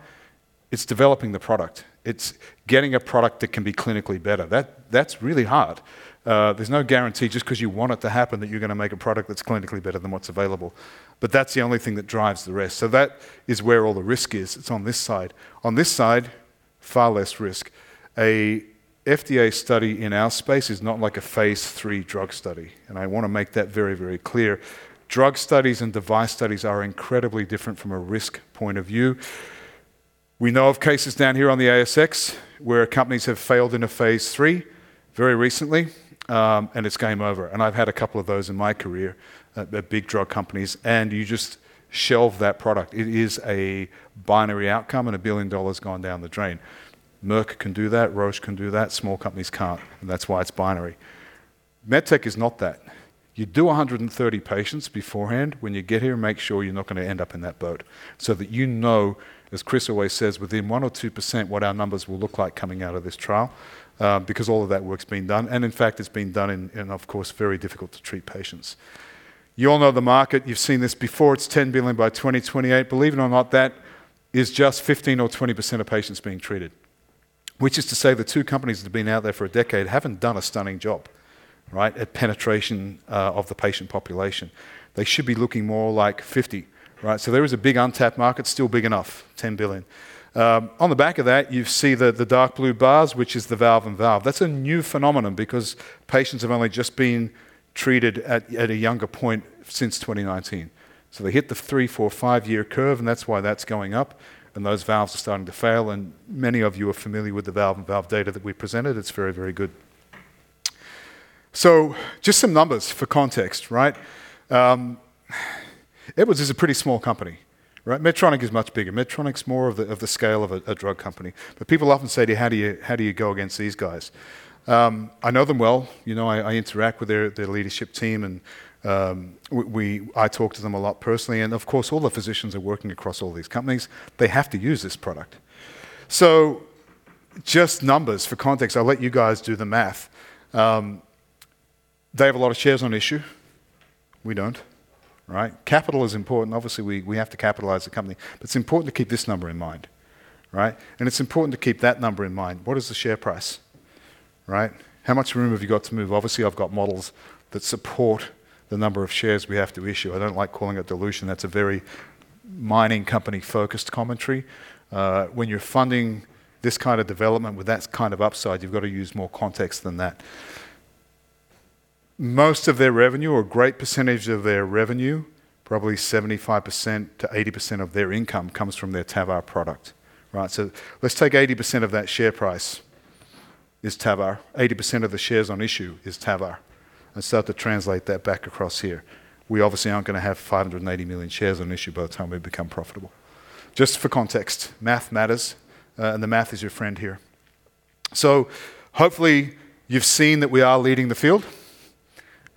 It's developing the product. It's getting a product that can be clinically better. That's really hard. There's no guarantee just because you want it to happen that you're going to make a product that's clinically better than what's available, but that's the only thing that drives the rest, so that is where all the risk is. It's on this side. On this side, far less risk. An FDA study in our space is not like a phase three drug study. And I want to make that very, very clear. Drug studies and device studies are incredibly different from a risk point of view. We know of cases down here on the ASX where companies have failed in a phase three very recently, and it's game over. And I've had a couple of those in my career at big drug companies. And you just shelve that product. It is a binary outcome, and $1 billion gone down the drain. Merck can do that. Roche can do that. Small companies can't. And that's why it's binary. MedTech is not that. You do 130 patients beforehand when you get here and make sure you're not going to end up in that boat so that you know, as Chris always says, within one or two% what our numbers will look like coming out of this trial because all of that work's been done, and in fact, it's been done in, of course, very difficult-to-treat patients. You all know the market. You've seen this before. It's $10 billion by 2028. Believe it or not, that is just 15% or 20% of patients being treated, which is to say the two companies that have been out there for a decade haven't done a stunning job, right, at penetration of the patient population. They should be looking more like 50, right, so there is a big untapped market, still big enough, $10 billion. On the back of that, you see the dark blue bars, which is the valve-in-valve. That's a new phenomenon because patients have only just been treated at a younger point since 2019. So they hit the three, four, five-year curve, and that's why that's going up. Those valves are starting to fail. Many of you are familiar with the valve-in-valve data that we presented. It's very, very good. So just some numbers for context, right? Edwards is a pretty small company, right? Medtronic is much bigger. Medtronic's more of the scale of a drug company. People often say to you, "How do you go against these guys?" I know them well. I interact with their leadership team, and I talk to them a lot personally. Of course, all the physicians are working across all these companies. They have to use this product. So just numbers for context. I'll let you guys do the math. They have a lot of shares on issue. We don't, right? Capital is important. Obviously, we have to capitalize the company. But it's important to keep this number in mind, right? And it's important to keep that number in mind. What is the share price, right? How much room have you got to move? Obviously, I've got models that support the number of shares we have to issue. I don't like calling it dilution. That's a very mining company-focused commentary. When you're funding this kind of development with that kind of upside, you've got to use more context than that. Most of their revenue, or a great percentage of their revenue, probably 75%-80% of their income comes from their TAVR product, right? So let's take 80% of that share price is TAVR. 80% of the shares on issue is TAVR, and start to translate that back across here. We obviously aren't going to have 580 million shares on issue by the time we become profitable. Just for context, math matters, and the math is your friend here, so hopefully you've seen that we are leading the field,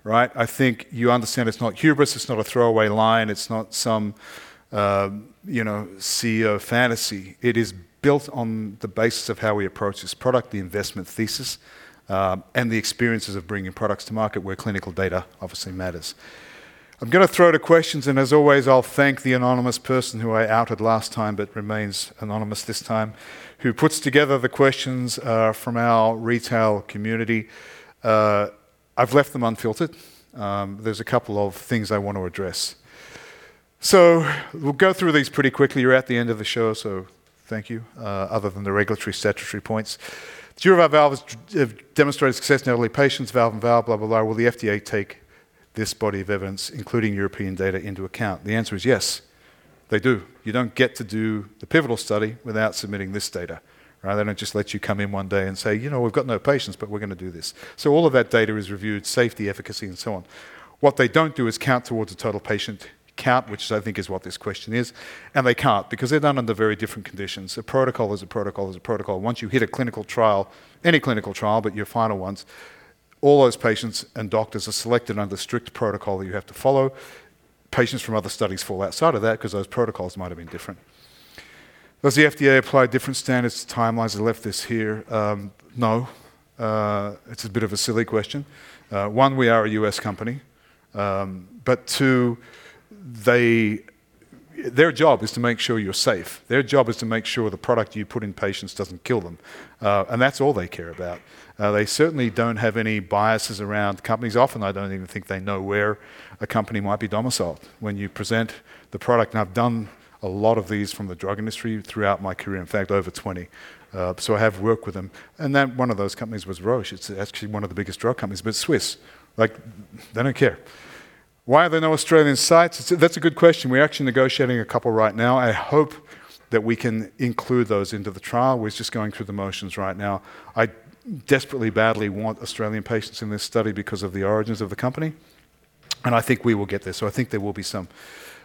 right? I think you understand it's not hubris. It's not a throwaway line. It's not some CEO fantasy. It is built on the basis of how we approach this product, the investment thesis, and the experiences of bringing products to market where clinical data obviously matters. I'm going to throw to questions, and as always, I'll thank the anonymous person who I outed last time but remains anonymous this time, who puts together the questions from our retail community. I've left them unfiltered. There's a couple of things I want to address. So we'll go through these pretty quickly. You're at the end of the show, so thank you. Other than the regulatory statutory points, do you have our valves have demonstrated success in elderly patients, valve-in-valve, blah, blah, blah? Will the FDA take this body of evidence, including European data, into account? The answer is yes, they do. You don't get to do the pivotal study without submitting this data, right? They don't just let you come in one day and say, "You know, we've got no patients, but we're going to do this." So all of that data is reviewed, safety, efficacy, and so on. What they don't do is count towards a total patient count, which I think is what this question is. And they can't because they're done under very different conditions. A protocol is a protocol is a protocol. Once you hit a clinical trial, any clinical trial, but your final ones, all those patients and doctors are selected under strict protocol that you have to follow. Patients from other studies fall outside of that because those protocols might have been different. Does the FDA apply different standards, timelines? I left this here. No. It's a bit of a silly question. One, we are a U.S. company. But two, their job is to make sure you're safe. Their job is to make sure the product you put in patients doesn't kill them. And that's all they care about. They certainly don't have any biases around companies. Often, I don't even think they know where a company might be domiciled when you present the product. And I've done a lot of these from the drug industry throughout my career, in fact, over 20. So I have worked with them. And one of those companies was Roche. It's actually one of the biggest drug companies, but Swiss. They don't care. Why are there no Australian sites? That's a good question. We're actually negotiating a couple right now. I hope that we can include those into the trial. We're just going through the motions right now. I desperately, badly want Australian patients in this study because of the origins of the company. And I think we will get there. So I think there will be some.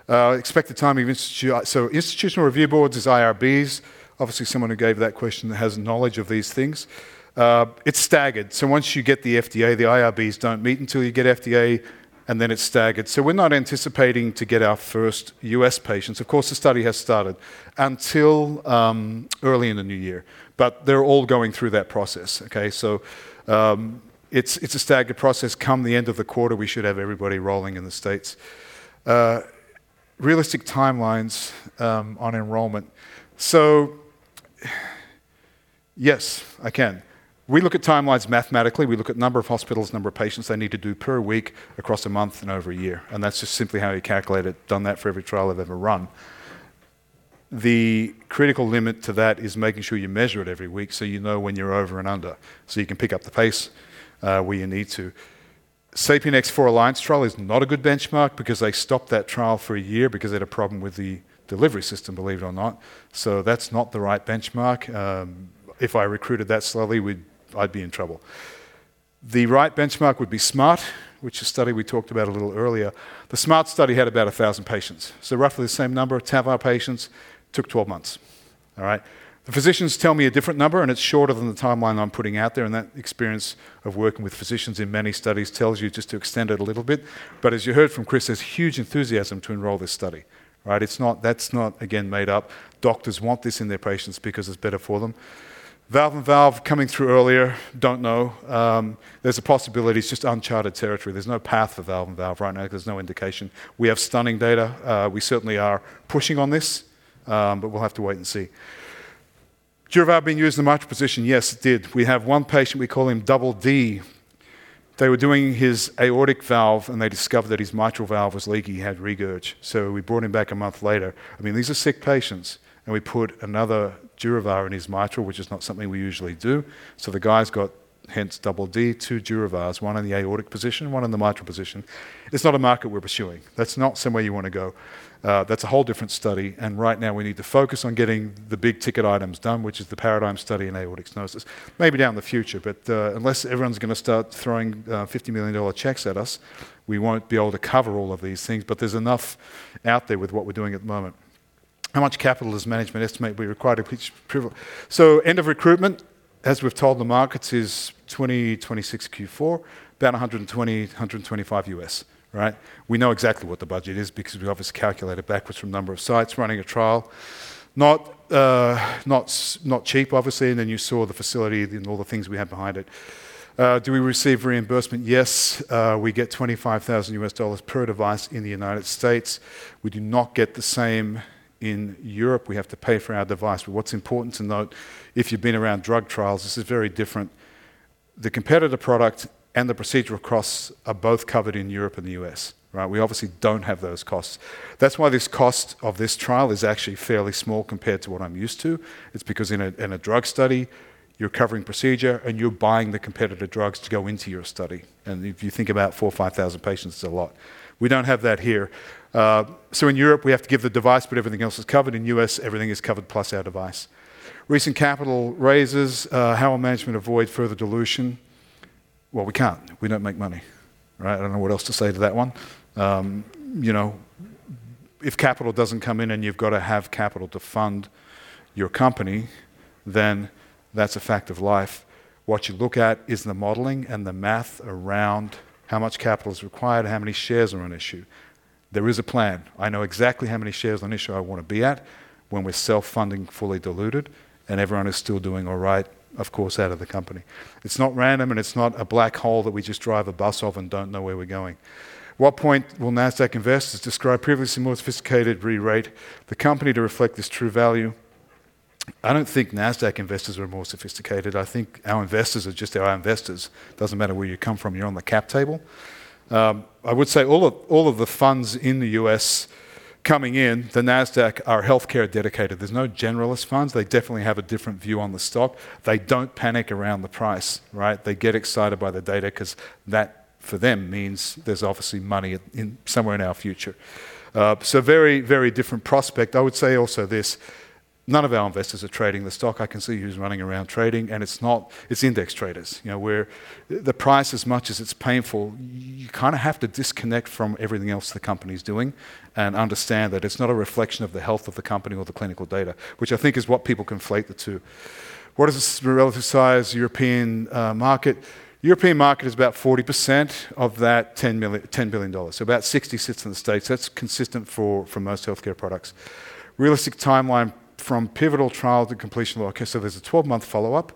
Expected timing of institutional review boards is IRBs. Obviously, someone who gave that question has knowledge of these things. It's staggered. So once you get the FDA, the IRBs don't meet until you get FDA, and then it's staggered. So we're not anticipating to get our first U.S. patients. Of course, the study hasn't started until early in the new year. But they're all going through that process, okay? So it's a staggered process. Come the end of the quarter, we should have everybody rolling in the States. Realistic timelines on enrollment. So yes, I can. We look at timelines mathematically. We look at number of hospitals, number of patients they need to do per week across a month and over a year. And that's just simply how we calculate it. Done that for every trial I've ever run. The critical limit to that is making sure you measure it every week so you know when you're over and under so you can pick up the pace where you need to. SAPIEN X4 Alliance trial is not a good benchmark because they stopped that trial for a year because they had a problem with the delivery system, believe it or not. So that's not the right benchmark. If I recruited that slowly, I'd be in trouble. The right benchmark would be SMART, which is a study we talked about a little earlier. The SMART study had about 1,000 patients. So roughly the same number of TAVR patients took 12 months, all right? The physicians tell me a different number, and it's shorter than the timeline I'm putting out there, and that experience of working with physicians in many studies tells you just to extend it a little bit. But as you heard from Chris, there's huge enthusiasm to enroll this study, right? That's not, again, made up. Doctors want this in their patients because it's better for them. Valve-in-valve coming through earlier, don't know. There's a possibility. It's just uncharted territory. There's no path for valve-in-valve right now because there's no indication. We have stunning data. We certainly are pushing on this, but we'll have to wait and see. Has DurAVR been used in the mitral position? Yes, it has. We have one patient. We call him Double D. They were doing his aortic valve, and they discovered that his mitral valve was leaking. He had regurg. So we brought him back a month later. I mean, these are sick patients. And we put another DurAVR in his mitral, which is not something we usually do. So the guy's got, hence, Double D, two DurAVRs, one in the aortic position, one in the mitral position. It's not a market we're pursuing. That's not somewhere you want to go. That's a whole different study. And right now, we need to focus on getting the big ticket items done, which is the paradigm study in aortic stenosis. Maybe not in the future, but unless everyone's going to start throwing $50 million checks at us, we won't be able to cover all of these things. But there's enough out there with what we're doing at the moment. How much capital does management estimate we require to push? So end of recruitment, as we've told the markets, is 2026 Q4, about $120 million-$125 million, right? We know exactly what the budget is because we obviously calculate it backwards from number of sites running a trial. Not cheap, obviously. And then you saw the facility and all the things we have behind it. Do we receive reimbursement? Yes. We get $25,000 per device in the United States. We do not get the same in Europe. We have to pay for our device. But what's important to note, if you've been around drug trials, this is very different. The competitor product and the procedure costs are both covered in Europe and the U.S., right? We obviously don't have those costs. That's why the cost of this trial is actually fairly small compared to what I'm used to. It's because in a drug study, you're covering procedure, and you're buying the competitor drugs to go into your study. And if you think about 4,000-5,000 patients, it's a lot. We don't have that here. So in Europe, we have to give the device, but everything else is covered. In US, everything is covered plus our device. Recent capital raises. How will management avoid further dilution? Well, we can't. We don't make money, right? I don't know what else to say to that one. If capital doesn't come in and you've got to have capital to fund your company, then that's a fact of life. What you look at is the modeling and the math around how much capital is required, how many shares are on issue. There is a plan. I know exactly how many shares on issue I want to be at when we're self-funding, fully diluted, and everyone is still doing all right, of course, out of the company. It's not random, and it's not a black hole that we just drive a bus off and don't know where we're going. At what point will Nasdaq investors, described previously as more sophisticated, re-rate the company to reflect this true value? I don't think Nasdaq investors are more sophisticated. I think our investors are just our investors. It doesn't matter where you come from. You're on the cap table. I would say all of the funds in the U.S. coming in, the Nasdaq are healthcare dedicated. There's no generalist funds. They definitely have a different view on the stock. They don't panic around the price, right? They get excited by the data because that, for them, means there's obviously money somewhere in our future. So very, very different prospect. I would say also this. None of our investors are trading the stock. I can see who's running around trading, and it's not. It's index traders. The price, as much as it's painful, you kind of have to disconnect from everything else the company's doing and understand that it's not a reflection of the health of the company or the clinical data, which I think is what people conflate the two. What is the relative size European market? European market is about 40% of that $10 billion. So about 60 sits in the States. That's consistent for most healthcare products. Realistic timeline from pivotal trial to completion of the orchestra. There's a 12-month follow-up,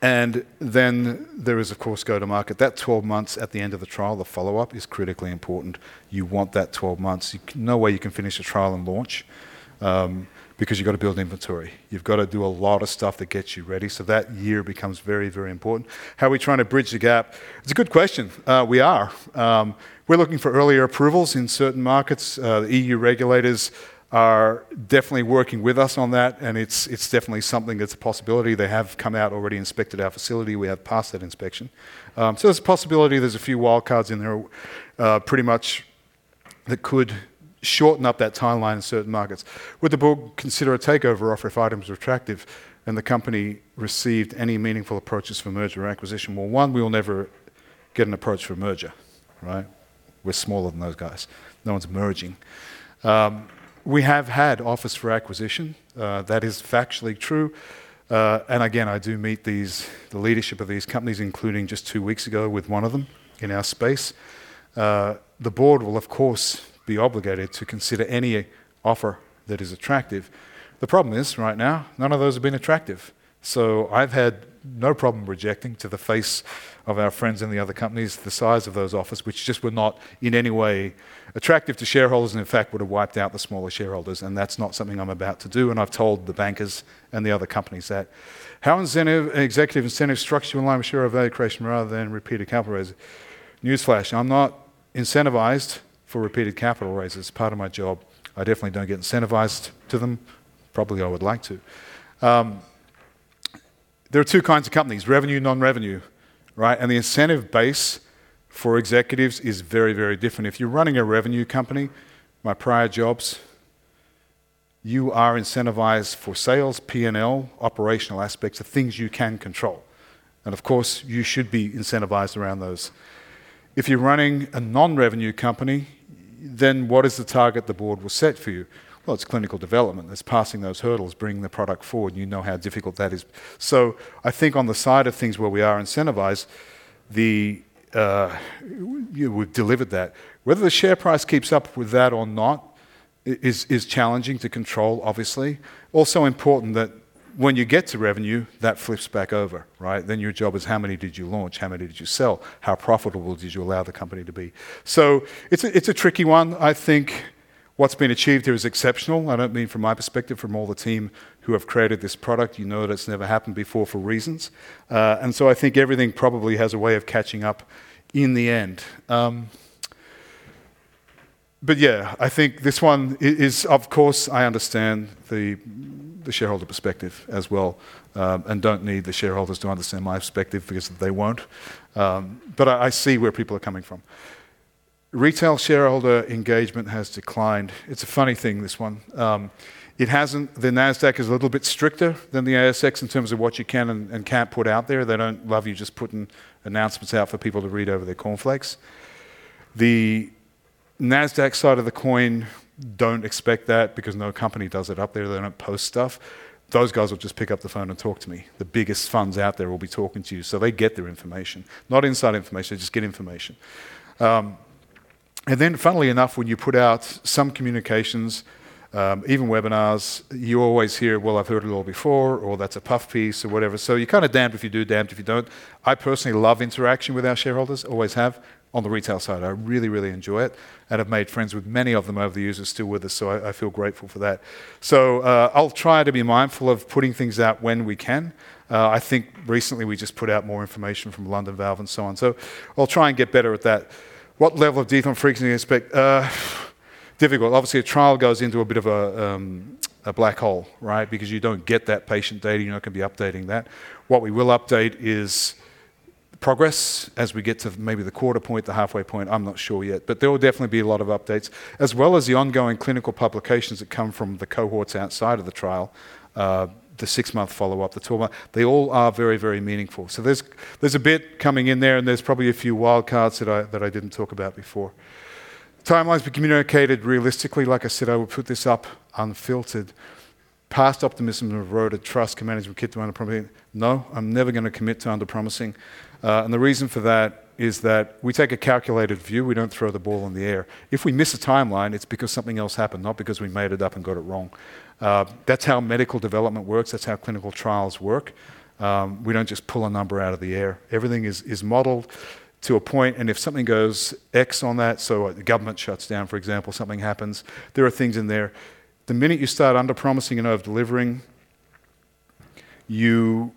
and then there is, of course, go to market. That 12 months at the end of the trial, the follow-up is critically important. You want that 12 months. No way you can finish a trial and launch because you've got to build inventory. You've got to do a lot of stuff that gets you ready. So that year becomes very, very important. How are we trying to bridge the gap? It's a good question. We are. We're looking for earlier approvals in certain markets. The EU regulators are definitely working with us on that, and it's definitely something that's a possibility. They have come out, already inspected our facility. We have passed that inspection. So there's a possibility. There's a few wild cards in there pretty much that could shorten up that timeline in certain markets. Would the board consider a takeover offer if it was attractive and the company received any meaningful approaches for merger or acquisition? Well, one, we will never get an approach for merger, right? We're smaller than those guys. No one's merging. We have had offers for acquisition. That is factually true. And again, I do meet the leadership of these companies, including just two weeks ago with one of them in our space. The board will, of course, be obligated to consider any offer that is attractive. The problem is, right now, none of those have been attractive. So I've had no problem rejecting in the face of our friends in the other companies the size of those offers, which just were not in any way attractive to shareholders and, in fact, would have wiped out the smaller shareholders. And that's not something I'm about to do. And I've told the bankers and the other companies that. How incentive executive incentive structure aligned with share value creation rather than repeated capital raising? News flash. I'm not incentivized for repeated capital raising. It's part of my job. I definitely don't get incentivized to them. Probably I would like to. There are two kinds of companies: revenue, non-revenue, right? And the incentive base for executives is very, very different. If you're running a revenue company, my prior jobs, you are incentivized for sales, P&L, operational aspects, the things you can control. And of course, you should be incentivized around those. If you're running a non-revenue company, then what is the target the board will set for you? Well, it's clinical development. It's passing those hurdles, bringing the product forward, and you know how difficult that is. So I think on the side of things where we are incentivized, we've delivered that. Whether the share price keeps up with that or not is challenging to control, obviously. Also important that when you get to revenue, that flips back over, right? Then your job is, how many did you launch? How many did you sell? How profitable did you allow the company to be? So it's a tricky one. I think what's been achieved here is exceptional. I don't mean from my perspective, from all the team who have created this product. You know that it's never happened before for reasons. And so I think everything probably has a way of catching up in the end. But yeah, I think this one is, of course, I understand the shareholder perspective as well and don't need the shareholders to understand my perspective because they won't. But I see where people are coming from. Retail shareholder engagement has declined. It's a funny thing, this one. The Nasdaq is a little bit stricter than the ASX in terms of what you can and can't put out there. They don't love you just putting announcements out for people to read over their cornflakes. The Nasdaq side of the coin, don't expect that because no company does it up there. They don't post stuff. Those guys will just pick up the phone and talk to me. The biggest funds out there will be talking to you. So they get their information. Not inside information. They just get information. And then, funnily enough, when you put out some communications, even webinars, you always hear, "Well, I've heard it all before," or, "That's a puff piece," or whatever. So you're kind of damned if you do, damned if you don't. I personally love interaction with our shareholders, always have. On the retail side, I really, really enjoy it, and I've made friends with many of them over the years who are still with us, so I feel grateful for that, so I'll try to be mindful of putting things out when we can. I think recently we just put out more information from London Valves and so on, so I'll try and get better at that. What level of update frequency expect? Difficult. Obviously, a trial goes into a bit of a black hole, right? Because you don't get that patient data. You're not going to be updating that. What we will update is progress as we get to maybe the quarter point, the halfway point. I'm not sure yet. But there will definitely be a lot of updates, as well as the ongoing clinical publications that come from the cohorts outside of the trial, the six-month follow-up, the 12-month. They all are very, very meaningful. So there's a bit coming in there, and there's probably a few wild cards that I didn't talk about before. Timelines be communicated realistically. Like I said, I will put this up unfiltered. Past optimism eroded trust. Can management keep to underpromising? No, I'm never going to commit to underpromising. And the reason for that is that we take a calculated view. We don't throw the ball in the air. If we miss a timeline, it's because something else happened, not because we made it up and got it wrong. That's how medical development works. That's how clinical trials work. We don't just pull a number out of the air. Everything is modeled to a point. And if something goes X on that, so government shuts down, for example, something happens, there are things in there. The minute you start underpromising and over-delivering, you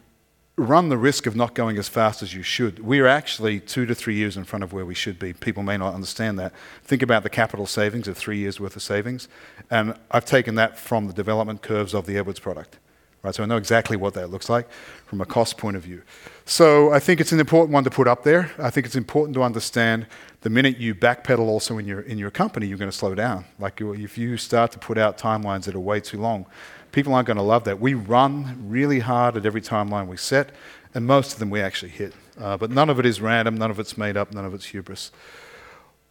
run the risk of not going as fast as you should. We are actually two to three years in front of where we should be. People may not understand that. Think about the capital savings of three years' worth of savings. And I've taken that from the development curves of the Edwards product, right? So I know exactly what that looks like from a cost point of view. So I think it's an important one to put up there. I think it's important to understand the minute you backpedal also in your company, you're going to slow down. If you start to put out timelines that are way too long, people aren't going to love that. We run really hard at every timeline we set, and most of them we actually hit. But none of it is random. None of it's made up. None of it's hubris.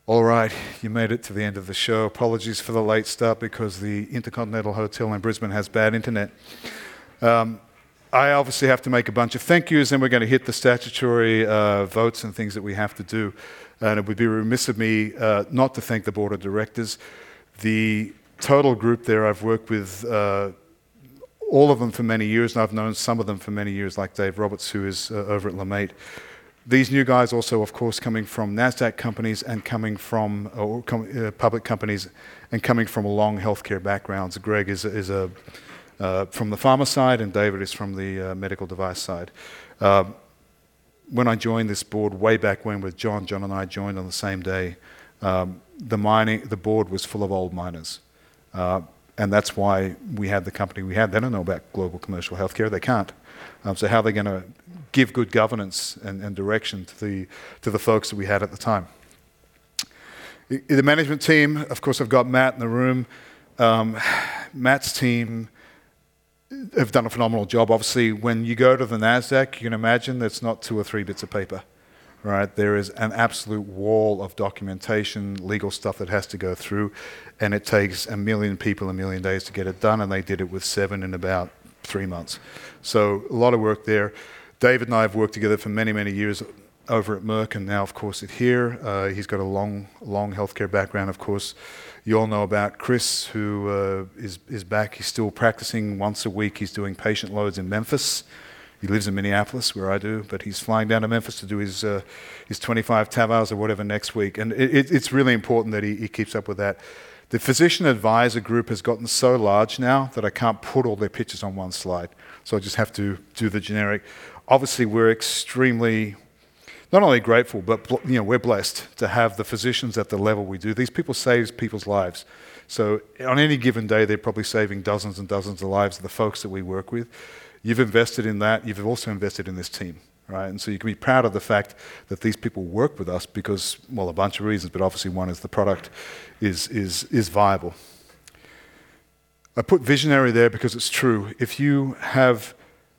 All right. You made it to the end of the show. Apologies for the late start because the InterContinental Hotel in Brisbane has bad internet. I obviously have to make a bunch of thank yous, and we're going to hit the statutory votes and things that we have to do. And it would be remiss of me not to thank the board of directors. The total group there I've worked with, all of them for many years, and I've known some of them for many years, like Dave Roberts, who is over at LeMaitre. These new guys also, of course, coming from Nasdaq companies and coming from public companies and coming from long healthcare backgrounds. Greg is from the pharma side, and David is from the medical device side. When I joined this board way back when with John, John and I joined on the same day, the board was full of old miners, and that's why we had the company we had. They don't know about global commercial healthcare. They can't, so how are they going to give good governance and direction to the folks that we had at the time? The management team, of course, I've got Matt in the room. Matt's team have done a phenomenal job. Obviously, when you go to the Nasdaq, you can imagine there's not two or three bits of paper, right? There is an absolute wall of documentation, legal stuff that has to go through, and it takes a million people a million days to get it done. They did it with seven in about three months. So a lot of work there. David and I have worked together for many, many years over at Merck and now, of course, at Anteris here. He's got a long, long healthcare background, of course. You all know about Chris, who is back. He's still practicing once a week. He's doing patient loads in Memphis. He lives in Minneapolis, where I do, but he's flying down to Memphis to do his 25 TAVR hours or whatever next week. And it's really important that he keeps up with that. The physician advisor group has gotten so large now that I can't put all their pictures on one slide. So I just have to do the generic. Obviously, we're extremely not only grateful, but we're blessed to have the physicians at the level we do. These people save people's lives. So on any given day, they're probably saving dozens and dozens of lives of the folks that we work with. You've invested in that. You've also invested in this team, right? And so you can be proud of the fact that these people work with us because, well, a bunch of reasons, but obviously one is the product is viable. I put visionary there because it's true. If you have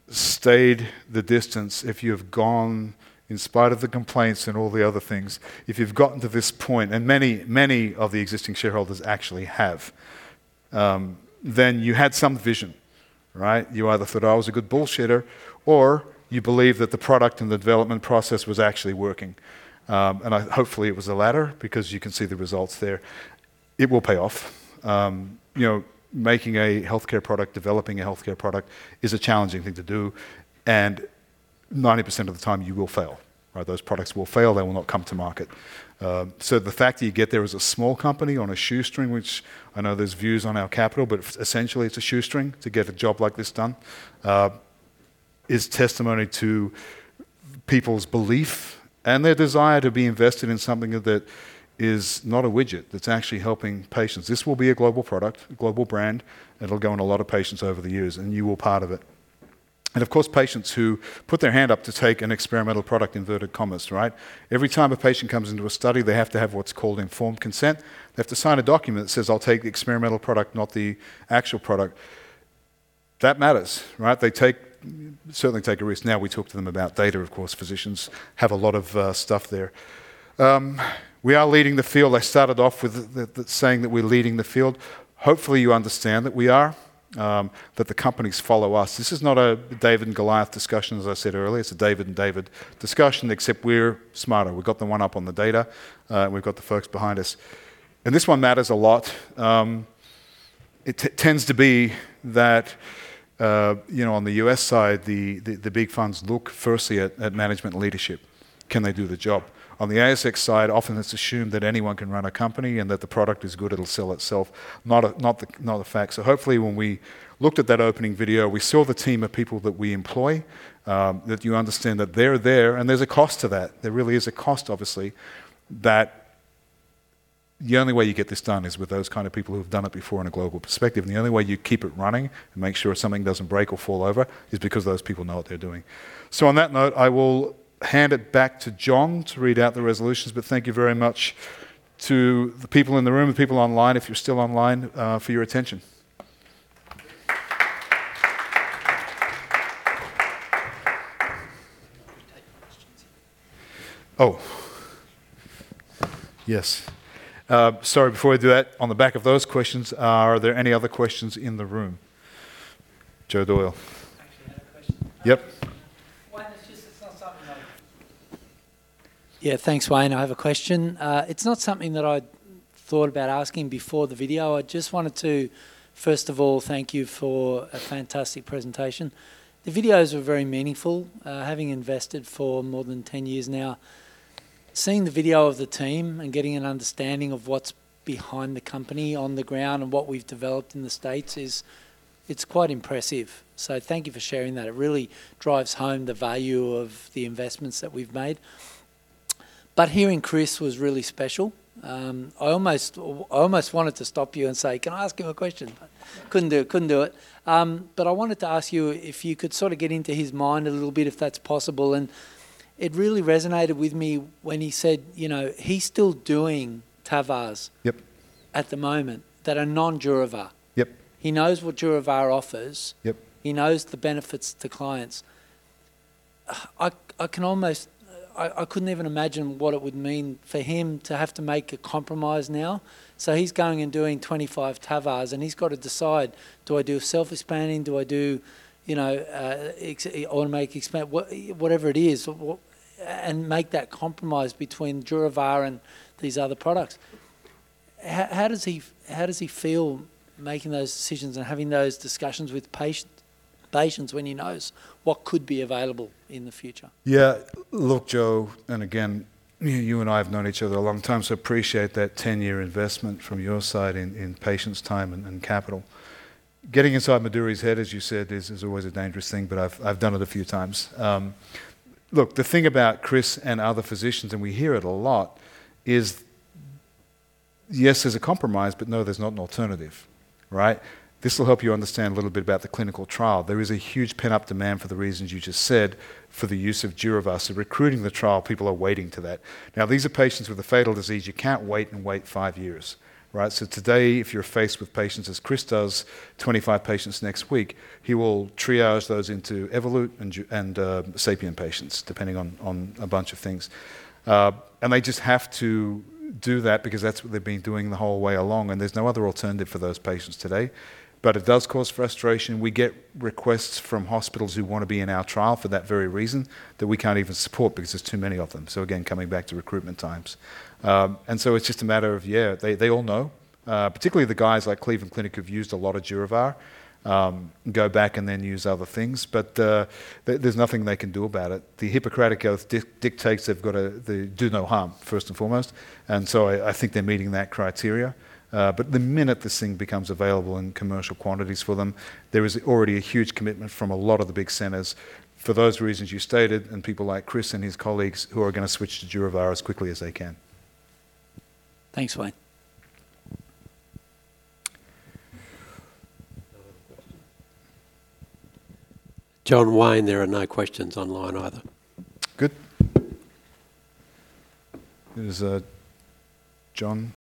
stayed the distance, if you have gone in spite of the complaints and all the other things, if you've gotten to this point, and many of the existing shareholders actually have, then you had some vision, right? You either thought I was a good bullshitter or you believed that the product and the development process was actually working. And hopefully it was the latter because you can see the results there. It will pay off. Making a healthcare product, developing a healthcare product is a challenging thing to do. And 90% of the time you will fail, right? Those products will fail. They will not come to market. So the fact that you get there as a small company on a shoestring, which I know there's views on our capital, but essentially it's a shoestring to get a job like this done, is testimony to people's belief and their desire to be invested in something that is not a widget. It's actually helping patients. This will be a global product, a global brand. It'll go on a lot of patients over the years, and you were part of it. And of course, patients who put their hand up to take an experimental product, inverted commas, right? Every time a patient comes into a study, they have to have what's called informed consent. They have to sign a document that says, "I'll take the experimental product, not the actual product." That matters, right? They certainly take a risk. Now we talk to them about data, of course. Physicians have a lot of stuff there. We are leading the field. I started off with saying that we're leading the field. Hopefully you understand that we are, that the companies follow us. This is not a David and Goliath discussion, as I said earlier. It's a David and David discussion, except we're smarter. We've got the one up on the data, and we've got the folks behind us. And this one matters a lot. It tends to be that on the U.S. side, the big funds look firstly at management leadership. Can they do the job? On the ASX side, often it's assumed that anyone can run a company and that the product is good. It'll sell itself. Not a fact. So hopefully when we looked at that opening video, we saw the team of people that we employ, that you understand that they're there. And there's a cost to that. There really is a cost, obviously, that the only way you get this done is with those kind of people who have done it before in a global perspective. And the only way you keep it running and make sure something doesn't break or fall over is because those people know what they're doing. So on that note, I will hand it back to John to read out the resolutions. But thank you very much to the people in the room, the people online, if you're still online, for your attention. Oh, yes. Sorry, before I do that, on the back of those questions, are there any other questions in the room? Joe Doyle. Actually, I have a question. Yep. Why not just? It's not something I've. Yeah, thanks, Wayne. I have a question. It's not something that I'd thought about asking before the video. I just wanted to, first of all, thank you for a fantastic presentation. The videos were very meaningful. Having invested for more than 10 years now, seeing the video of the team and getting an understanding of what's behind the company on the ground and what we've developed in the States is quite impressive. So thank you for sharing that. It really drives home the value of the investments that we've made. But hearing Chris was really special. I almost wanted to stop you and say, "Can I ask him a question?" Couldn't do it. Couldn't do it. But I wanted to ask you if you could sort of get into his mind a little bit, if that's possible. It really resonated with me when he said he's still doing TAVRs at the moment that are non-DurAVR. He knows what DurAVR offers. He knows the benefits to clients. I couldn't even imagine what it would mean for him to have to make a compromise now. So he's going and doing 25 TAVRs, and he's got to decide, "Do I do self-expanding? Do I do balloon-expand?" Whatever it is, and make that compromise between DurAVR and these other products. How does he feel making those decisions and having those discussions with patients when he knows what could be available in the future? Yeah. Look, Joe, and again, you and I have known each other a long time, so appreciate that 10-year investment from your side in patients' time and capital. Getting inside Meduri's head, as you said, is always a dangerous thing, but I've done it a few times. Look, the thing about Chris and other physicians, and we hear it a lot, is yes, there's a compromise, but no, there's not an alternative, right? This will help you understand a little bit about the clinical trial. There is a huge pent-up demand for the reasons you just said for the use of DurAVR. So recruiting the trial, people are waiting for that. Now, these are patients with a fatal disease. You can't wait and wait five years, right? So today, if you're faced with patients, as Chris does, 25 patients next week, he will triage those into Evolut and SAPIEN patients, depending on a bunch of things. And they just have to do that because that's what they've been doing the whole way along. And there's no other alternative for those patients today. But it does cause frustration. We get requests from hospitals who want to be in our trial for that very reason that we can't even support because there's too many of them. So again, coming back to recruitment times. And so it's just a matter of, yeah, they all know. Particularly the guys like Cleveland Clinic have used a lot of DurAVR. Go back and then use other things. But there's nothing they can do about it. The Hippocratic Oath dictates they've got to do no harm, first and foremost. And so I think they're meeting that criteria. But the minute this thing becomes available in commercial quantities for them, there is already a huge commitment from a lot of the big centers for those reasons you stated and people like Chris and his colleagues who are going to switch to DurAVR as quickly as they can. Thanks, Wayne. John Wayne, there are no questions online either. Good. There's a John.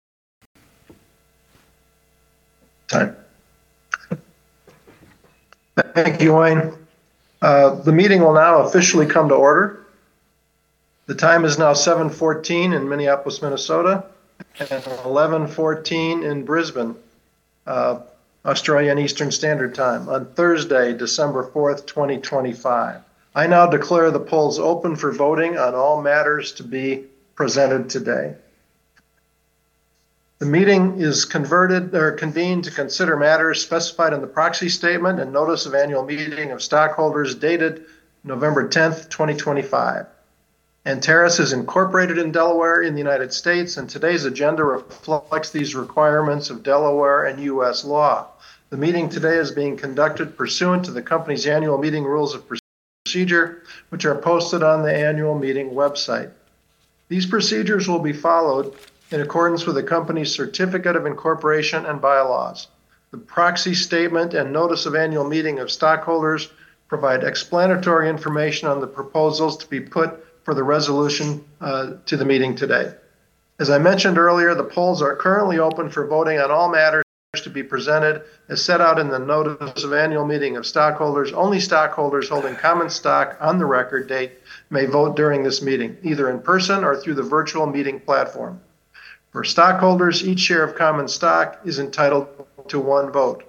Hi. Thank you, Wayne. The meeting will now officially come to order. The time is now 7:14 P.M. in Minneapolis, Minnesota, and 11:14 A.M. in Brisbane, Australian Eastern Standard Time, on Thursday, December 4th, 2025. I now declare the polls open for voting on all matters to be presented today. The meeting is convened to consider matters specified in the proxy statement and notice of annual meeting of stockholders dated November 10th, 2025. Anteris is incorporated in Delaware in the United States, and today's agenda reflects these requirements of Delaware and U.S. law. The meeting today is being conducted pursuant to the company's annual meeting rules of procedure, which are posted on the annual meeting website. These procedures will be followed in accordance with the company's certificate of incorporation and bylaws. The proxy statement and notice of annual meeting of stockholders provide explanatory information on the proposals to be put for the resolution to the meeting today. As I mentioned earlier, the polls are currently open for voting on all matters to be presented, as set out in the notice of annual meeting of stockholders. Only stockholders holding common stock on the record date may vote during this meeting, either in person or through the virtual meeting platform. For stockholders, each share of common stock is entitled to one vote.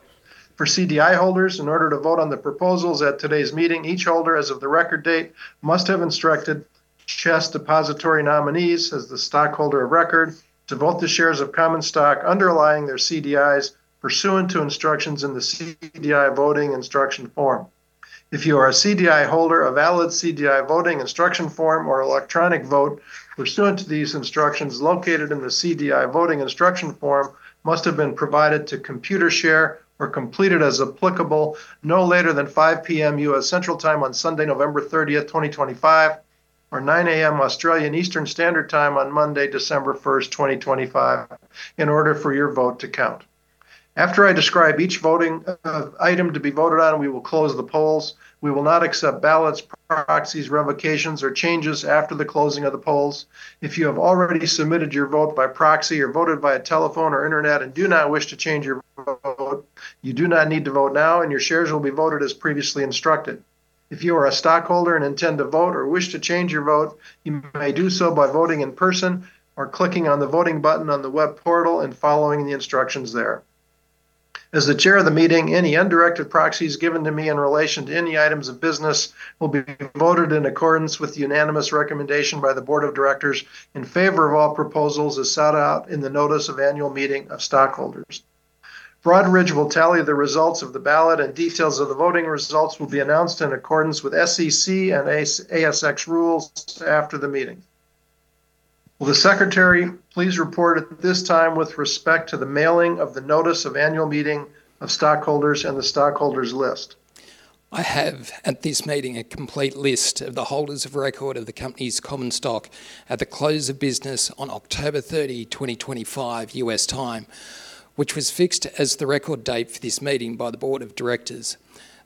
For CDI holders, in order to vote on the proposals at today's meeting, each holder as of the record date must have instructed CHESS Depositary nominees as the stockholder of record to vote the shares of common stock underlying their CDIs pursuant to instructions in the CDI voting instruction form. If you are a CDI holder, a valid CDI voting instruction form or electronic vote pursuant to these instructions located in the CDI voting instruction form must have been provided to Computershare or completed as applicable no later than 5:00 P.M. U.S. Central Time on Sunday, November 30th, 2025, or 9:00 A.M. Australian Eastern Standard Time on Monday, December 1st, 2025, in order for your vote to count. After I describe each voting item to be voted on, we will close the polls. We will not accept ballots, proxies, revocations, or changes after the closing of the polls. If you have already submitted your vote by proxy or voted by telephone or internet and do not wish to change your vote, you do not need to vote now, and your shares will be voted as previously instructed. If you are a stockholder and intend to vote or wish to change your vote, you may do so by voting in person or clicking on the voting button on the web portal and following the instructions there. As the chair of the meeting, any undirected proxies given to me in relation to any items of business will be voted in accordance with the unanimous recommendation by the board of directors in favor of all proposals as sought out in the notice of annual meeting of stockholders. Broadridge will tally the results of the ballot, and details of the voting results will be announced in accordance with SEC and ASX rules after the meeting. Will the secretary please report at this time with respect to the mailing of the notice of annual meeting of stockholders and the stockholders' list? I have at this meeting a complete list of the holders of record of the company's Common Stock at the close of business on October 30, 2025, U.S. time, which was fixed as the record date for this meeting by the Board of Directors.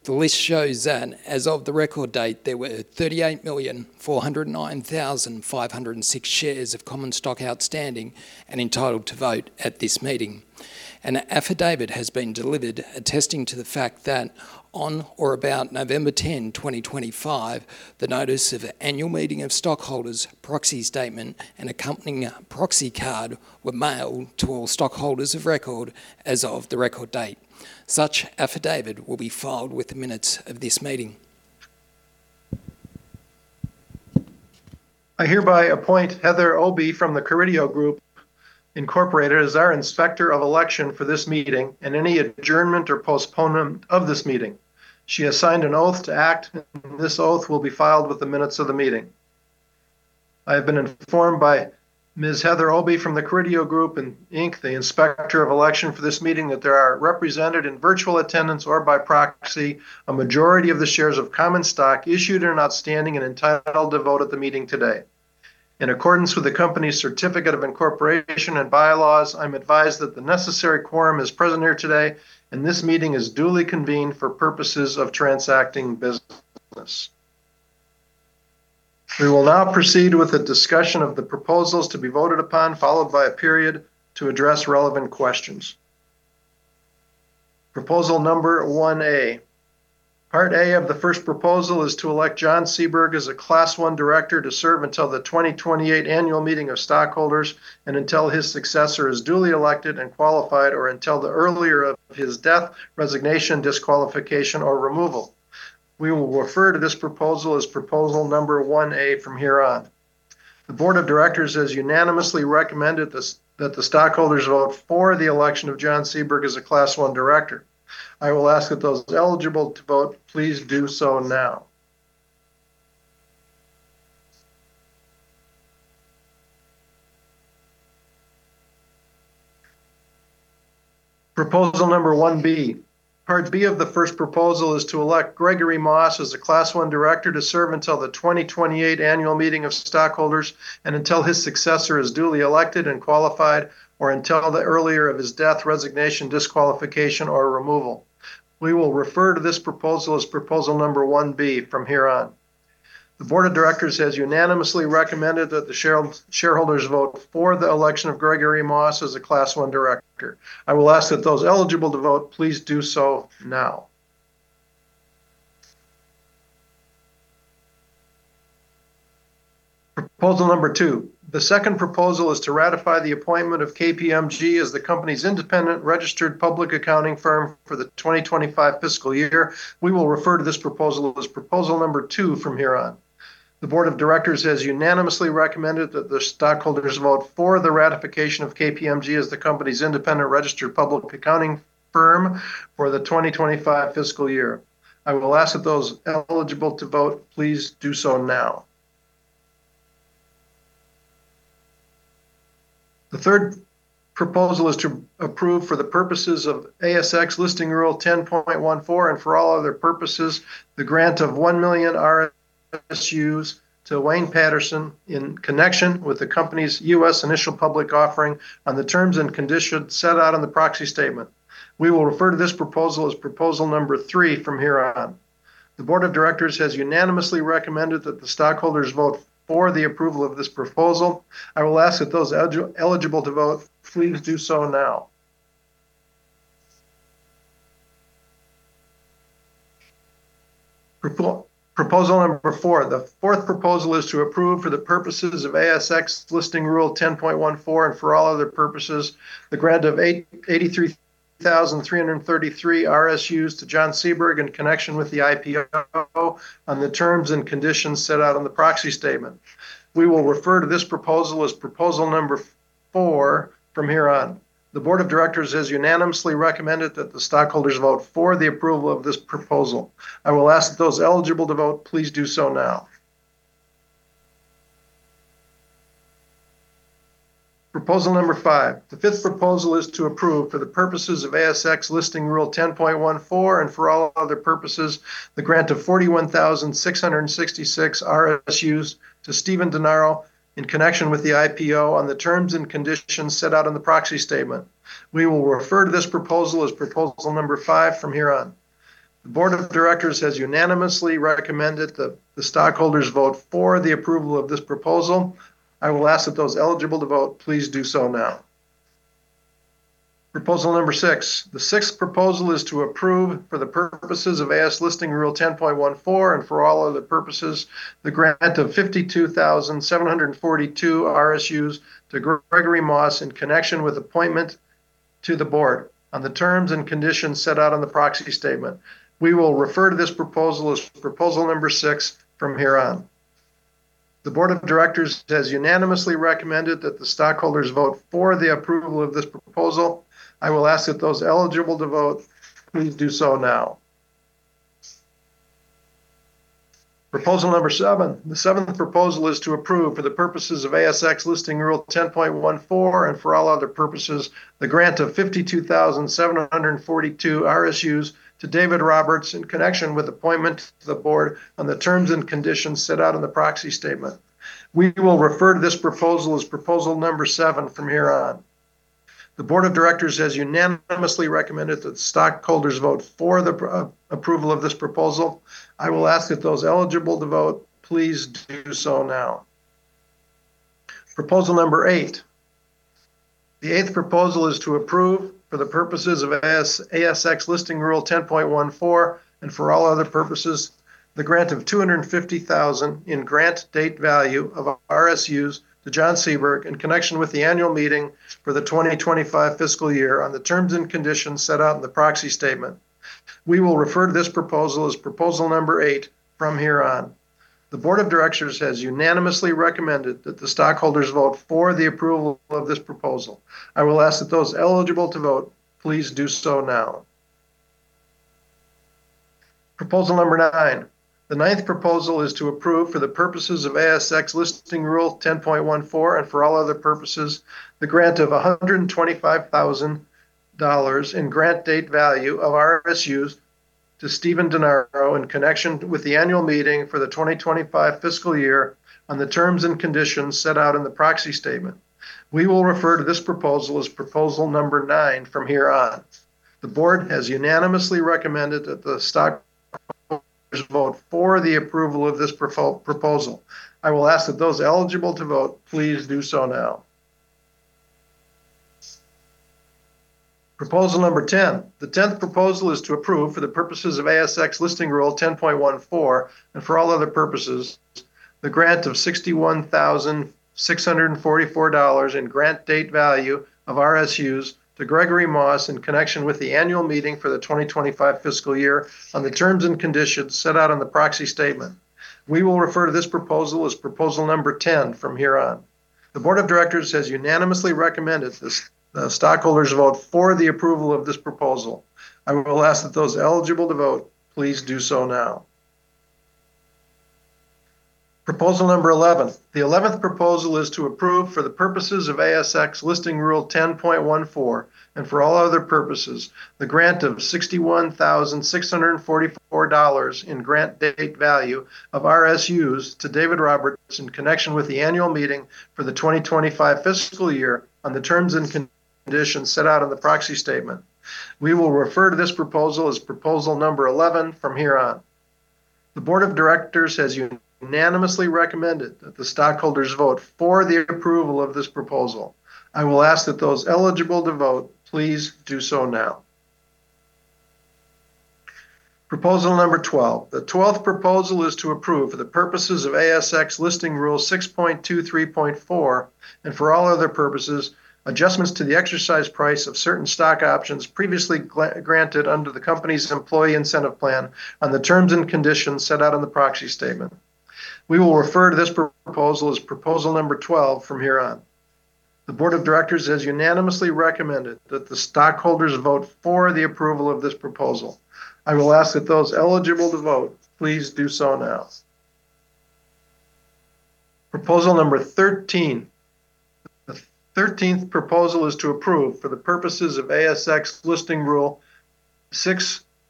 The list shows that as of the record date, there were 38,409,506 shares of Common Stock outstanding and entitled to vote at this meeting. An affidavit has been delivered attesting to the fact that on or about November 10, 2025, the notice of annual meeting of stockholders, proxy statement, and accompanying proxy card were mailed to all stockholders of record as of the record date. Such affidavit will be filed with the minutes of this meeting. I hereby appoint Heather Obi from The Carideo Group Inc. as our inspector of election for this meeting and any adjournment or postponement of this meeting. She has signed an oath to act, and this oath will be filed with the minutes of the meeting. I have been informed by Ms. Heather Obi from The Carideo Group Inc., the inspector of election for this meeting, that there are represented in virtual attendance or by proxy a majority of the shares of common stock issued and outstanding and entitled to vote at the meeting today. In accordance with the company's certificate of incorporation and bylaws, I'm advised that the necessary quorum is present here today, and this meeting is duly convened for purposes of transacting business. We will now proceed with a discussion of the proposals to be voted upon, followed by a period to address relevant questions. Proposal number one A. Part A of the first proposal is to elect John Seaberg as a Class 1 director to serve until the 2028 annual meeting of stockholders and until his successor is duly elected and qualified or until the earlier of his death, resignation, disqualification, or removal. We will refer to this proposal as Proposal Number 1A from here on. The board of directors has unanimously recommended that the stockholders vote for the election of John Seaberg as a Class 1 director. I will ask that those eligible to vote please do so now. Proposal Number 1B. Part B of the first proposal is to elect Gregory Moss as a Class 1 director to serve until the 2028 annual meeting of stockholders and until his successor is duly elected and qualified or until the earlier of his death, resignation, disqualification, or removal. We will refer to this proposal as Proposal Number 1B from here on. The board of directors has unanimously recommended that the shareholders vote for the election of Gregory Moss as a Class 1 director. I will ask that those eligible to vote, please do so now. Proposal Number 2. The second proposal is to ratify the appointment of KPMG as the company's independent registered public accounting firm for the 2025 fiscal year. We will refer to this proposal as Proposal Number 2 from here on. The board of directors has unanimously recommended that the stockholders vote for the ratification of KPMG as the company's independent registered public accounting firm for the 2025 fiscal year. I will ask that those eligible to vote, please do so now. The third proposal is to approve for the purposes of ASX Listing Rule 10.14 and for all other purposes, the grant of 1 million RSUs to Wayne Paterson in connection with the company's U.S. initial public offering on the terms and conditions set out in the proxy statement. We will refer to this proposal as Proposal Number 3 from here on. The board of directors has unanimously recommended that the stockholders vote for the approval of this proposal. I will ask that those eligible to vote, please do so now. Proposal Number 4. The fourth proposal is to approve for the purposes of ASX Listing Rule 10.14 and for all other purposes, the grant of 83,333 RSUs to John Seaberg in connection with the IPO on the terms and conditions set out in the proxy statement. We will refer to this proposal as Proposal Number 4 from here on. The board of directors has unanimously recommended that the stockholders vote for the approval of this proposal. I will ask that those eligible to vote, please do so now. Proposal number five. The fifth proposal is to approve for the purposes of ASX Listing Rule 10.14 and for all other purposes, the grant of 41,666 RSUs to Stephen Denaro in connection with the IPO on the terms and conditions set out in the proxy statement. We will refer to this proposal as Proposal Number five from here on. The board of directors has unanimously recommended that the stockholders vote for the approval of this proposal. I will ask that those eligible to vote, please do so now. Proposal number six. The sixth proposal is to approve, for the purposes of ASX Listing Rule 10.14 and for all other purposes, the grant of 52,742 RSUs to Gregory Moss in connection with appointment to the board on the terms and conditions set out in the proxy statement. We will refer to this proposal as Proposal Number six from here on. The Board of Directors has unanimously recommended that the stockholders vote for the approval of this proposal. I will ask that those eligible to vote, please do so now. Proposal number seven. The seventh proposal is to approve, for the purposes of ASX Listing Rule 10.14 and for all other purposes, the grant of 52,742 RSUs to David Roberts in connection with appointment to the board on the terms and conditions set out in the proxy statement. We will refer to this proposal as Proposal Number seven from here on. The board of directors has unanimously recommended that the stockholders vote for the approval of this proposal. I will ask that those eligible to vote, please do so now. Proposal number 8. The eighth proposal is to approve for the purposes of ASX Listing Rule 10.14 and for all other purposes, the grant of 250,000 in grant date value of RSUs to John Seaberg in connection with the annual meeting for the 2025 fiscal year on the terms and conditions set out in the proxy statement. We will refer to this proposal as Proposal Number 8 from here on. The board of directors has unanimously recommended that the stockholders vote for the approval of this proposal. I will ask that those eligible to vote, please do so now. Proposal number 9. The ninth proposal is to approve, for the purposes of ASX Listing Rule 10.14 and for all other purposes, the grant of $125,000 in grant date value of RSUs to Stephen Denaro in connection with the annual meeting for the 2025 fiscal year on the terms and conditions set out in the proxy statement. We will refer to this proposal as Proposal Number 9 from here on. The Board has unanimously recommended that the stockholders vote for the approval of this proposal. I will ask that those eligible to vote, please do so now. Proposal Number 10. The tenth proposal is to approve for the purposes of ASX Listing Rule 10.14 and for all other purposes, the grant of $61,644 in grant date value of RSUs to Gregory Moss in connection with the annual meeting for the 2025 fiscal year on the terms and conditions set out in the proxy statement. We will refer to this proposal as Proposal Number 10 from here on. The board of directors has unanimously recommended that the stockholders vote for the approval of this proposal. I will ask that those eligible to vote, please do so now. Proposal number 11. The eleventh proposal is to approve for the purposes of ASX Listing Rule 10.14 and for all other purposes, the grant of $61,644 in grant date value of RSUs to David Roberts in connection with the annual meeting for the 2025 fiscal year on the terms and conditions set out in the proxy statement. We will refer to this proposal as Proposal Number 11 from here on. The board of directors has unanimously recommended that the stockholders vote for the approval of this proposal. I will ask that those eligible to vote please do so now. Proposal number 12. The twelfth proposal is to approve for the purposes of ASX Listing Rule 6.23.4 and for all other purposes, adjustments to the exercise price of certain stock options previously granted under the company's employee incentive plan on the terms and conditions set out in the proxy statement. We will refer to this proposal as Proposal Number 12 from here on. The Board of Directors has unanimously recommended that the stockholders vote for the approval of this proposal. I will ask that those eligible to vote, please do so now. Proposal Number 13. The thirteenth proposal is to approve for the purposes of ASX Listing Rule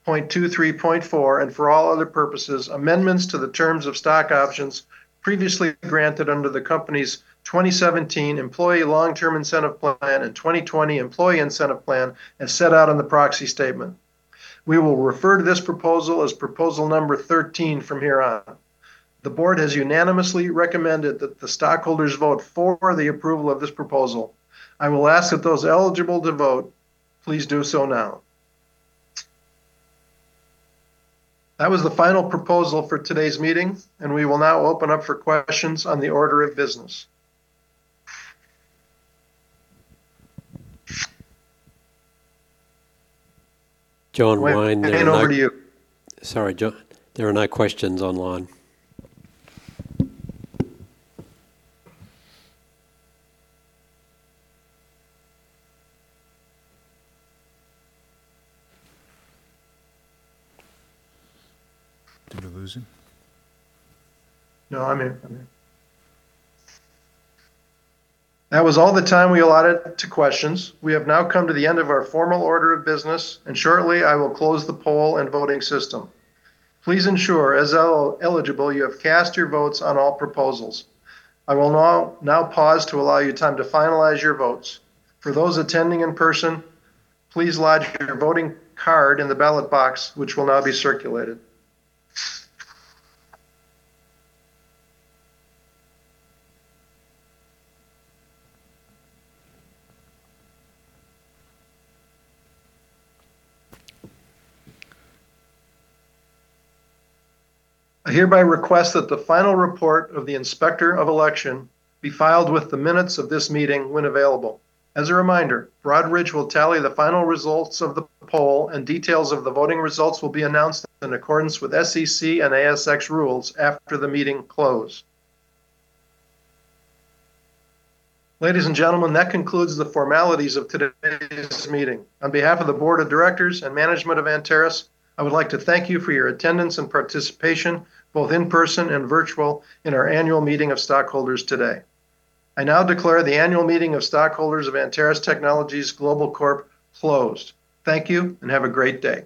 6.23.4 and for all other purposes, amendments to the terms of stock options previously granted under the company's 2017 employee long-term incentive plan and 2020 employee incentive plan as set out in the proxy statement. We will refer to this proposal as Proposal Number 13 from here on. The Board has unanimously recommended that the stockholders vote for the approval of this proposal. I will ask that those eligible to vote, please do so now. That was the final proposal for today's meeting, and we will now open up for questions on the order of business. John, mine. Hand over to you. Sorry, John. There are no questions online. Did I lose him? No, I'm here. That was all the time we allotted to questions. We have now come to the end of our formal order of business, and shortly I will close the poll and voting system. Please ensure, as eligible, you have cast your votes on all proposals. I will now pause to allow you time to finalize your votes. For those attending in person, please lodge your voting card in the ballot box, which will now be circulated. I hereby request that the final report of the inspector of election be filed with the minutes of this meeting when available. As a reminder, Broadridge will tally the final results of the poll, and details of the voting results will be announced in accordance with SEC and ASX rules after the meeting closes. Ladies and gentlemen, that concludes the formalities of today's meeting. On behalf of the board of directors and management of Anteris, I would like to thank you for your attendance and participation, both in person and virtual, in our annual meeting of stockholders today. I now declare the annual meeting of stockholders of Anteris Technologies Global Corp closed. Thank you and have a great day.